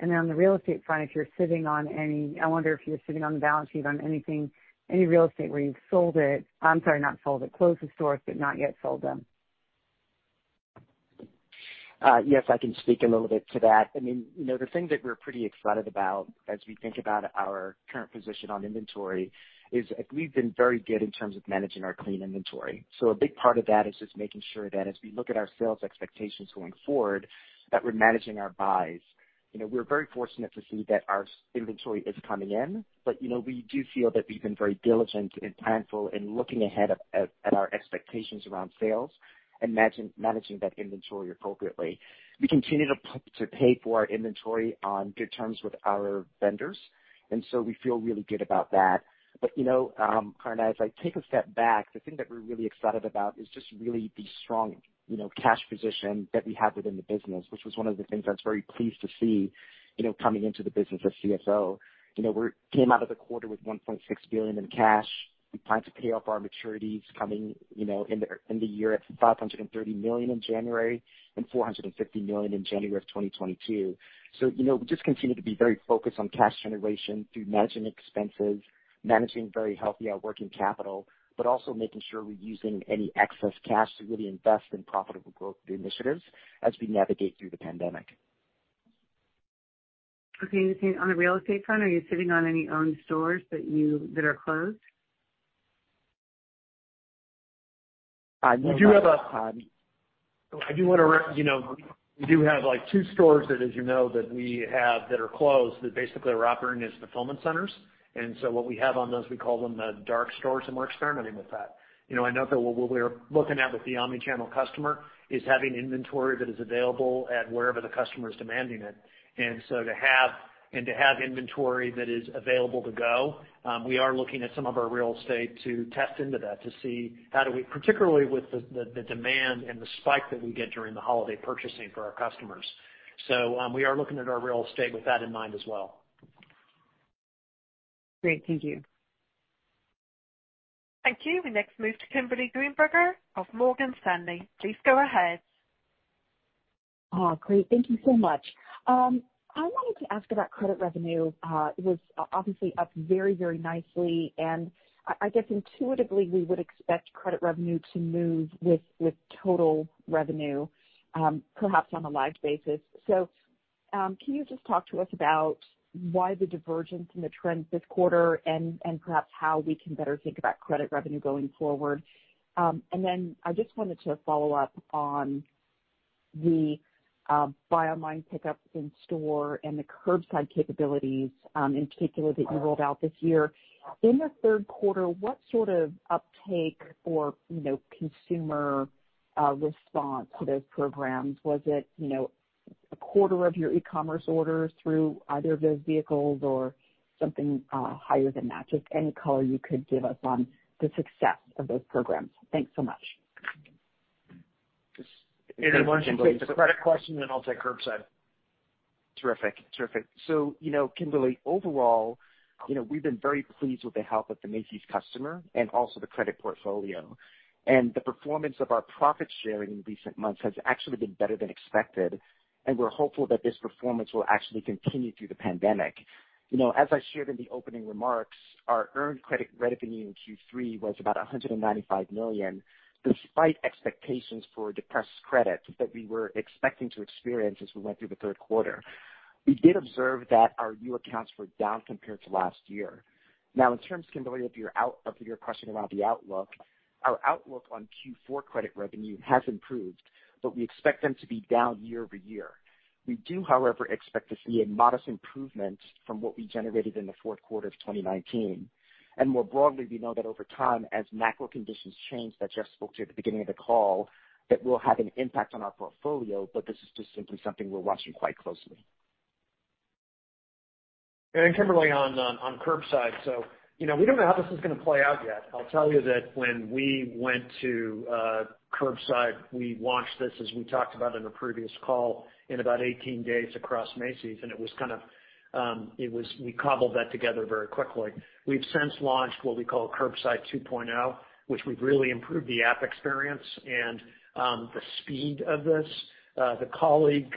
Speaker 11: 2021? On the real estate front, I wonder if you're sitting on the balance sheet on any real estate where you've closed the stores, but not yet sold them.
Speaker 4: Yes, I can speak a little bit to that. The thing that we're pretty excited about as we think about our current position on inventory is we've been very good in terms of managing our clean inventory. A big part of that is just making sure that as we look at our sales expectations going forward, that we're managing our buys. We're very fortunate to see that our inventory is coming in, but we do feel that we've been very diligent and planful in looking ahead at our expectations around sales and managing that inventory appropriately. We continue to pay for our inventory on good terms with our vendors, we feel really good about that. Carla, as I take a step back, the thing that we're really excited about is just really the strong cash position that we have within the business, which was one of the things I was very pleased to see coming into the business as CFO. We came out of the quarter with $1.6 billion in cash. We plan to pay off our maturities coming in the year at $530 million in January and $450 million in January of 2022. We just continue to be very focused on cash generation through managing expenses, managing very healthy working capital, but also making sure we're using any excess cash to really invest in profitable growth initiatives as we navigate through the pandemic.
Speaker 11: Okay. On the real estate front, are you sitting on any owned stores that are closed?
Speaker 4: No.
Speaker 3: We do have two stores that as you know, that we have that are closed, that basically are operating as fulfillment centers. What we have on those, we call them the dark stores, and we're experimenting with that. I know that what we're looking at with the omnichannel customer is having inventory that is available at wherever the customer is demanding it. To have inventory that is available to go, we are looking at some of our real estate to test into that to see, particularly with the demand and the spike that we get during the holiday purchasing for our customers. We are looking at our real estate with that in mind as well.
Speaker 11: Great. Thank you.
Speaker 1: Thank you. We next move to Kimberly Greenberger of Morgan Stanley. Please go ahead.
Speaker 12: Oh, great. Thank you so much. I wanted to ask about credit revenue. It was obviously up very, very nicely, and I guess intuitively, we would expect credit revenue to move with total revenue, perhaps on a live basis. Can you just talk to us about why the divergence in the trends this quarter and perhaps how we can better think about credit revenue going forward? I just wanted to follow up on the Buy Online, Pickup in Store, and the curbside capabilities, in particular, that you rolled out this year. In the third quarter, what sort of uptake or consumer response to those programs? Was it 1/4 of your e-commerce orders through either of those vehicles or something higher than that? Just any color you could give us on the success of those programs. Thanks so much.
Speaker 3: Adrian, why don't you take the credit question, then I'll take curbside.
Speaker 4: Terrific. Kimberly, overall, we've been very pleased with the health of the Macy's customer and also the credit portfolio. And the performance of our profit sharing in recent months has actually been better than expected, and we're hopeful that this performance will actually continue through the pandemic. As I shared in the opening remarks, our earned credit revenue in Q3 was about $195 million, despite expectations for depressed credits that we were expecting to experience as we went through the third quarter. We did observe that our new accounts were down compared to last year. In terms, Kimberly, of your question around the outlook, our outlook on Q4 credit revenue has improved, but we expect them to be down year-over-year. We do, however, expect to see a modest improvement from what we generated in the fourth quarter of 2019. More broadly, we know that over time, as macro conditions change, that Jeff spoke to at the beginning of the call, that will have an impact on our portfolio. This is just simply something we're watching quite closely.
Speaker 3: Kimberly, on Curbside. We don't know how this is going to play out yet. I'll tell you that when we went to Curbside, we launched this, as we talked about in a previous call, in about 18 days across Macy's, and we cobbled that together very quickly. We've since launched what we call Curbside 2.0, which we've really improved the app experience and the speed of this. The colleague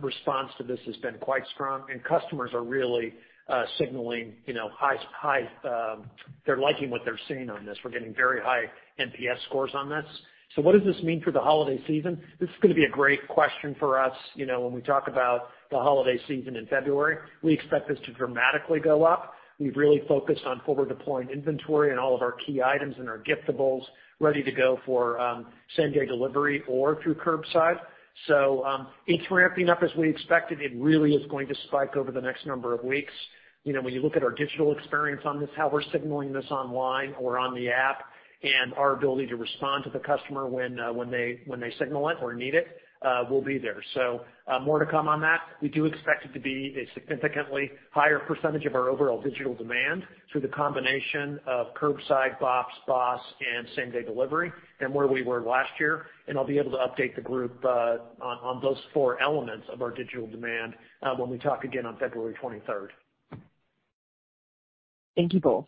Speaker 3: response to this has been quite strong and customers are really signaling they're liking what they're seeing on this. We're getting very high NPS scores on this. What does this mean for the holiday season? This is going to be a great question for us when we talk about the holiday season in February. We expect this to dramatically go up. We've really focused on forward deploying inventory and all of our key items and our giftables ready to go for same-day delivery or through Curbside. It's ramping up as we expected. It really is going to spike over the next number of weeks. When you look at our digital experience on this, how we're signaling this online or on the app, and our ability to respond to the customer when they signal it or need it, we'll be there. More to come on that. We do expect it to be a significantly higher percentage of our overall digital demand through the combination of Curbside, BOPS, BOSS, and same-day delivery than where we were last year. I'll be able to update the group on those four elements of our digital demand when we talk again on February 23rd.
Speaker 12: Thank you both.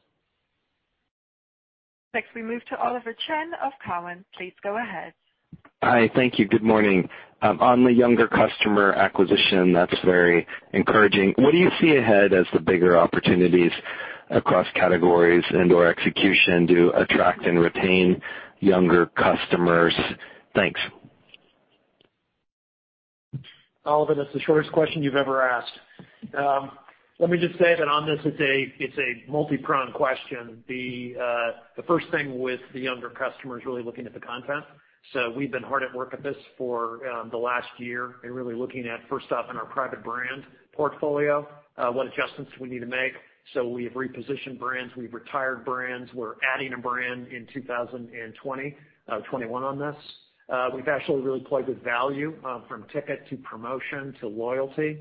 Speaker 1: Next, we move to Oliver Chen of Cowen. Please go ahead.
Speaker 13: Hi. Thank you. Good morning. On the younger customer acquisition, that's very encouraging. What do you see ahead as the bigger opportunities across categories and/or execution to attract and retain younger customers? Thanks.
Speaker 3: Oliver, that's the shortest question you've ever asked. Let me just say that on this, it's a multi-pronged question. The first thing with the younger customer is really looking at the content. We've been hard at work at this for the last year and really looking at, first off, in our private brand portfolio, what adjustments we need to make. We've repositioned brands, we've retired brands. We're adding a brand in 2021 on this. We've actually really played with value, from ticket to promotion to loyalty.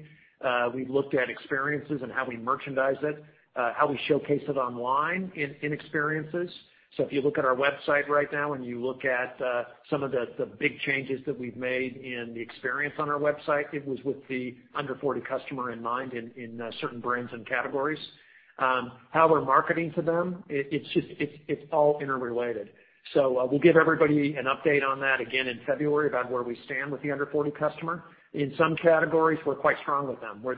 Speaker 3: We've looked at experiences and how we merchandise it, how we showcase it online in experiences. If you look at our website right now and you look at some of the big changes that we've made in the experience on our website, it was with the under 40 customer in mind in certain brands and categories. How we're marketing to them, it's all interrelated. We'll give everybody an update on that again in February about where we stand with the under 40 customer. In some categories, we're quite strong with them, where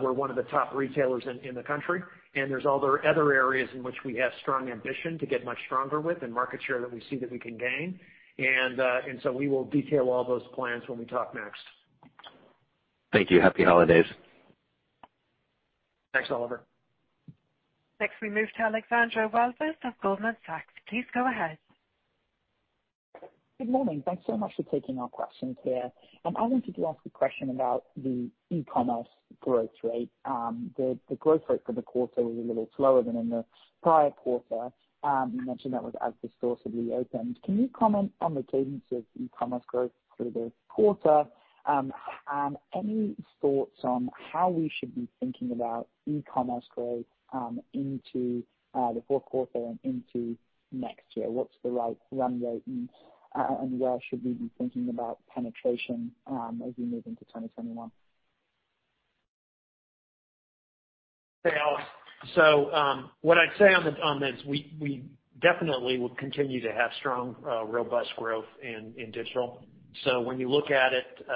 Speaker 3: we're one of the top retailers in the country, and there's other areas in which we have strong ambition to get much stronger with and market share that we see that we can gain. We will detail all those plans when we talk next.
Speaker 13: Thank you. Happy holidays.
Speaker 3: Thanks, Oliver.
Speaker 1: Next, we move to Alexandra Walvis of Goldman Sachs. Please go ahead.
Speaker 14: Good morning. Thanks so much for taking our questions here. I wanted to ask a question about the e-commerce growth rate. The growth rate for the quarter was a little slower than in the prior quarter. You mentioned that was as the stores reopened. Can you comment on the cadence of e-commerce growth for the quarter? Any thoughts on how we should be thinking about e-commerce growth into the fourth quarter and into next year? What's the right run rate and where should we be thinking about penetration as we move into 2021?
Speaker 3: Hey, Alex. What I'd say on this, we definitely will continue to have strong, robust growth in digital. When you look at it,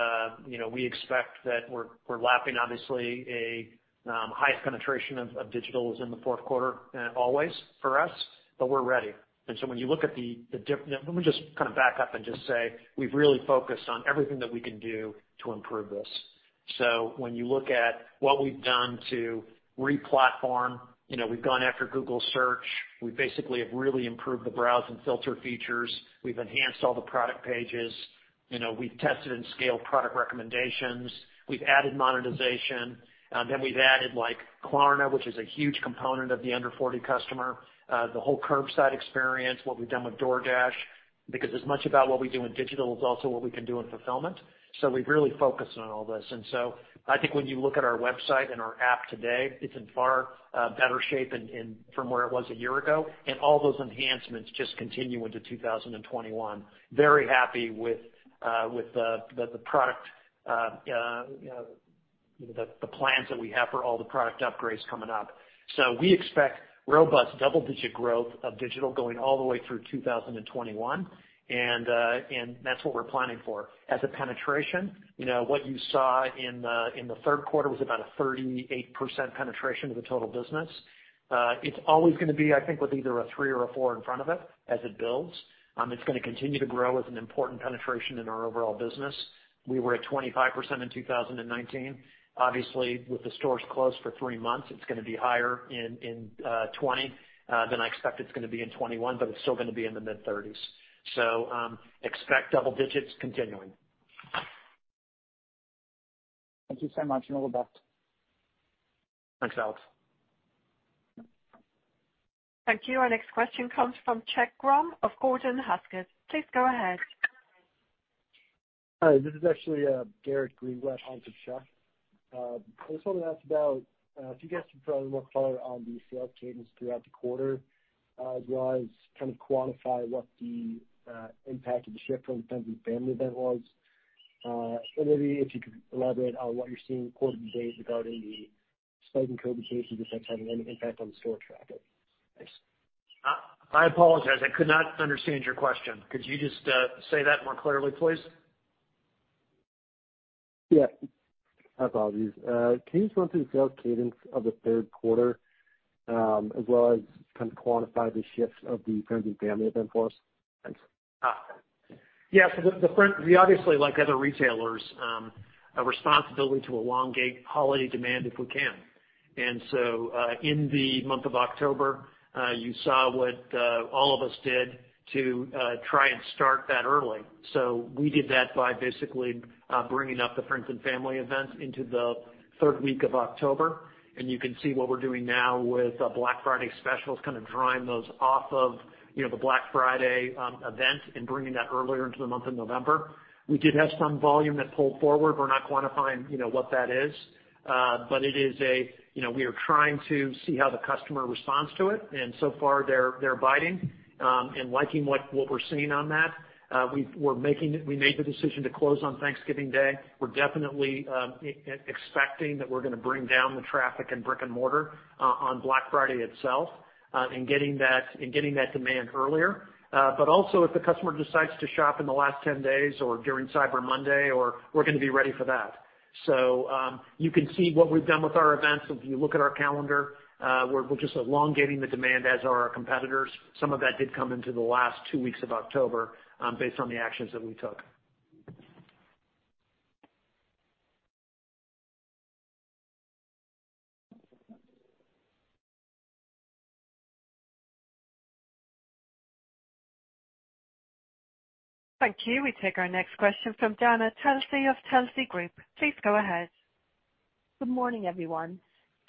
Speaker 3: we expect that we're lapping, obviously, a highest penetration of digital is in the fourth quarter always for us. We're ready. Let me just kind of back up and just say, we've really focused on everything that we can do to improve this. When you look at what we've done to re-platform, we've gone after Google Search. We basically have really improved the browse and filter features. We've enhanced all the product pages. We've tested and scaled product recommendations. We've added monetization. We've added Klarna, which is a huge component of the under 40 customer. The whole Curbside experience, what we've done with DoorDash, because as much about what we do in digital is also what we can do in fulfillment. We've really focused on all this. I think when you look at our website and our app today, it's in far better shape from where it was a year ago, and all those enhancements just continue into 2021. Very happy with the plans that we have for all the product upgrades coming up. We expect robust double-digit growth of digital going all the way through 2021, and that's what we're planning for. As a penetration, what you saw in the third quarter was about a 38% penetration of the total business. It's always going to be, I think, with either a three or a four in front of it as it builds. It's going to continue to grow as an important penetration in our overall business. We were at 25% in 2019. Obviously, with the stores closed for three months, it's going to be higher in 2020 than I expect it's going to be in 2021, but it's still going to be in the mid-30s. Expect double digits continuing.
Speaker 14: Thank you so much. [Noel Budd].
Speaker 3: Thanks, Alex.
Speaker 1: Thank you. Our next question comes from Chuck Grom of Gordon Haskett. Please go ahead.
Speaker 15: Hi, this is actually Garrett Greenblatt on for Chuck. I just wanted to ask about if you guys could provide more color on the sales cadence throughout the quarter, as well as kind of quantify what the impact of the shift from Friends and Family event was. Maybe if you could elaborate on what you're seeing quarter to date regarding the spike in COVID cases, if that's having any impact on the store traffic. Thanks.
Speaker 3: I apologize. I could not understand your question. Could you just say that more clearly, please?
Speaker 15: My apologies. Can you just run through the sales cadence of the third quarter, as well as kind of quantify the shifts of the Friends and Family event for us? Thanks.
Speaker 3: We obviously, like other retailers, have responsibility to elongate holiday demand if we can. In the month of October, you saw what all of us did to try and start that early. We did that by basically bringing up the Friends and Family event into the third week of October, and you can see what we're doing now with Black Friday specials, kind of drawing those off of the Black Friday event and bringing that earlier into the month of November. We did have some volume that pulled forward. We're not quantifying what that is. We are trying to see how the customer responds to it, and so far, they're biting and liking what we're seeing on that. We made the decision to close on Thanksgiving Day. We're definitely expecting that we're going to bring down the traffic in brick-and-mortar on Black Friday itself, and getting that demand earlier. Also, if the customer decides to shop in the last 10 days or during Cyber Monday, we're going to be ready for that. You can see what we've done with our events. If you look at our calendar, we're just elongating the demand, as are our competitors. Some of that did come into the last two weeks of October, based on the actions that we took.
Speaker 1: Thank you. We take our next question from Dana Telsey of Telsey Group. Please go ahead.
Speaker 16: Good morning, everyone.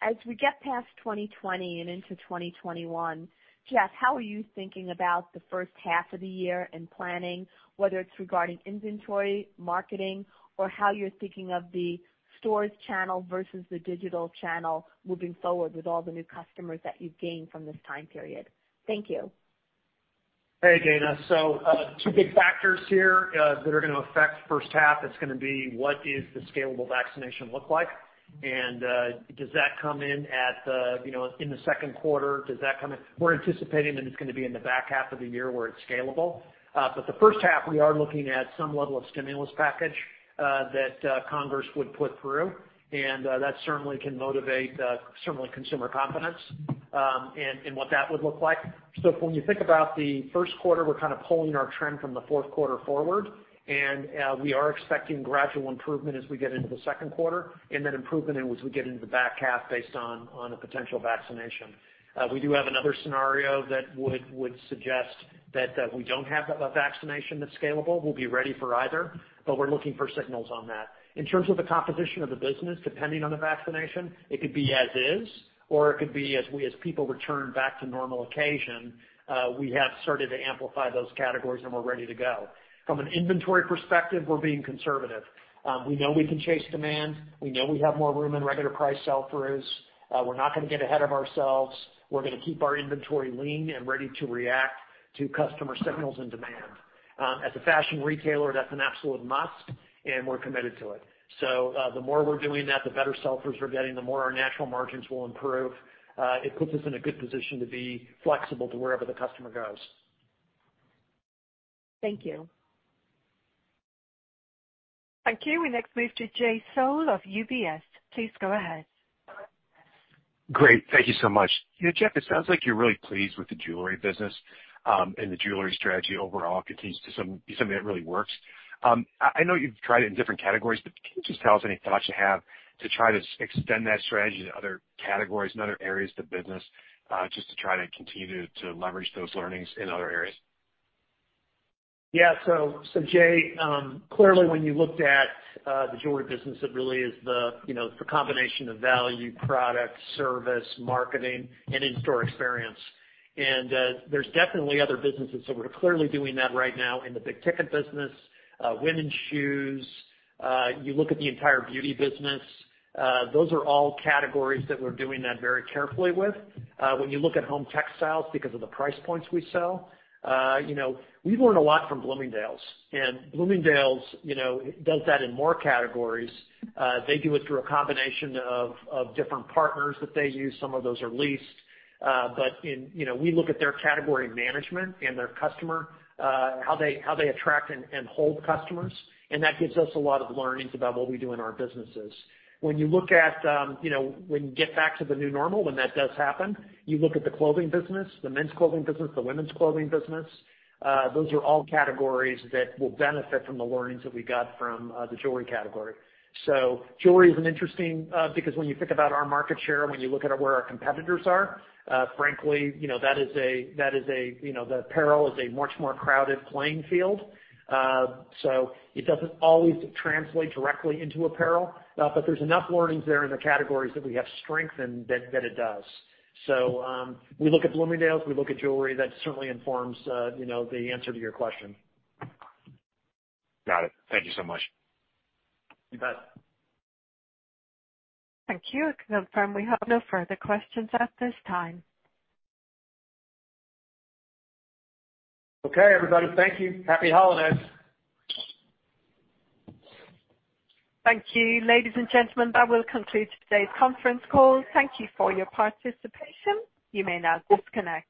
Speaker 16: As we get past 2020 and into 2021, Jeff, how are you thinking about the first half of the year and planning, whether it's regarding inventory, marketing, or how you're thinking of the stores channel versus the digital channel moving forward with all the new customers that you've gained from this time period? Thank you.
Speaker 3: Hey, Dana. Two big factors here that are going to affect first half. It's going to be, what is the scalable vaccination look like? Does that come in the second quarter? We're anticipating that it's going to be in the back half of the year where it's scalable. The first half, we are looking at some level of stimulus package that Congress would put through, and that certainly can motivate consumer confidence and what that would look like. When you think about the first quarter, we're kind of pulling our trend from the fourth quarter forward, and we are expecting gradual improvement as we get into the second quarter, and then improvement as we get into the back half based on a potential vaccination. We do have another scenario that would suggest that we don't have a vaccination that's scalable. We'll be ready for either. We're looking for signals on that. In terms of the composition of the business, depending on the vaccination, it could be as is, or it could be as people return back to normal occasion. We have started to amplify those categories and we're ready to go. From an inventory perspective, we're being conservative. We know we can chase demand, we know we have more room in regular price sell-throughs. We're not going to get ahead of ourselves. We're going to keep our inventory lean and ready to react to customer signals and demand. As a fashion retailer, that's an absolute must, and we're committed to it. The more we're doing that, the better sell-throughs we're getting, the more our natural margins will improve. It puts us in a good position to be flexible to wherever the customer goes.
Speaker 16: Thank you.
Speaker 1: Thank you. We next move to Jay Sole of UBS. Please go ahead.
Speaker 17: Great. Thank you so much. Jeff, it sounds like you're really pleased with the jewelry business, and the jewelry strategy overall continues to be something that really works. I know you've tried it in different categories, but can you just tell us any thoughts you have to try to extend that strategy to other categories and other areas of the business, just to try to continue to leverage those learnings in other areas?
Speaker 3: Jay, clearly when you looked at the jewelry business, it really is the combination of value, product, service, marketing, and in-store experience. There's definitely other businesses that we're clearly doing that right now in the big ticket business. Women's shoes, you look at the entire beauty business, those are all categories that we're doing that very carefully with. When you look at home textiles, because of the price points we sell, we've learned a lot from Bloomingdale's, and Bloomingdale's does that in more categories. They do it through a combination of different partners that they use. Some of those are leased. We look at their category management and their customer, how they attract and hold customers, and that gives us a lot of learnings about what we do in our businesses. When you get back to the new normal, when that does happen, you look at the clothing business, the men's clothing business, the women's clothing business, those are all categories that will benefit from the learnings that we got from the jewelry category. Jewelry is an interesting because when you think about our market share, when you look at where our competitors are, frankly, the apparel is a much more crowded playing field. It doesn't always translate directly into apparel. There's enough learnings there in the categories that we have strength in that it does. We look at Bloomingdale's, we look at jewelry, that certainly informs the answer to your question.
Speaker 17: Got it. Thank you so much.
Speaker 3: You bet.
Speaker 1: Thank you. I can confirm we have no further questions at this time.
Speaker 3: Okay, everybody. Thank you. Happy holidays.
Speaker 1: Thank you. Ladies and gentlemen, that will conclude today's conference call. Thank you for your participation. You may now disconnect.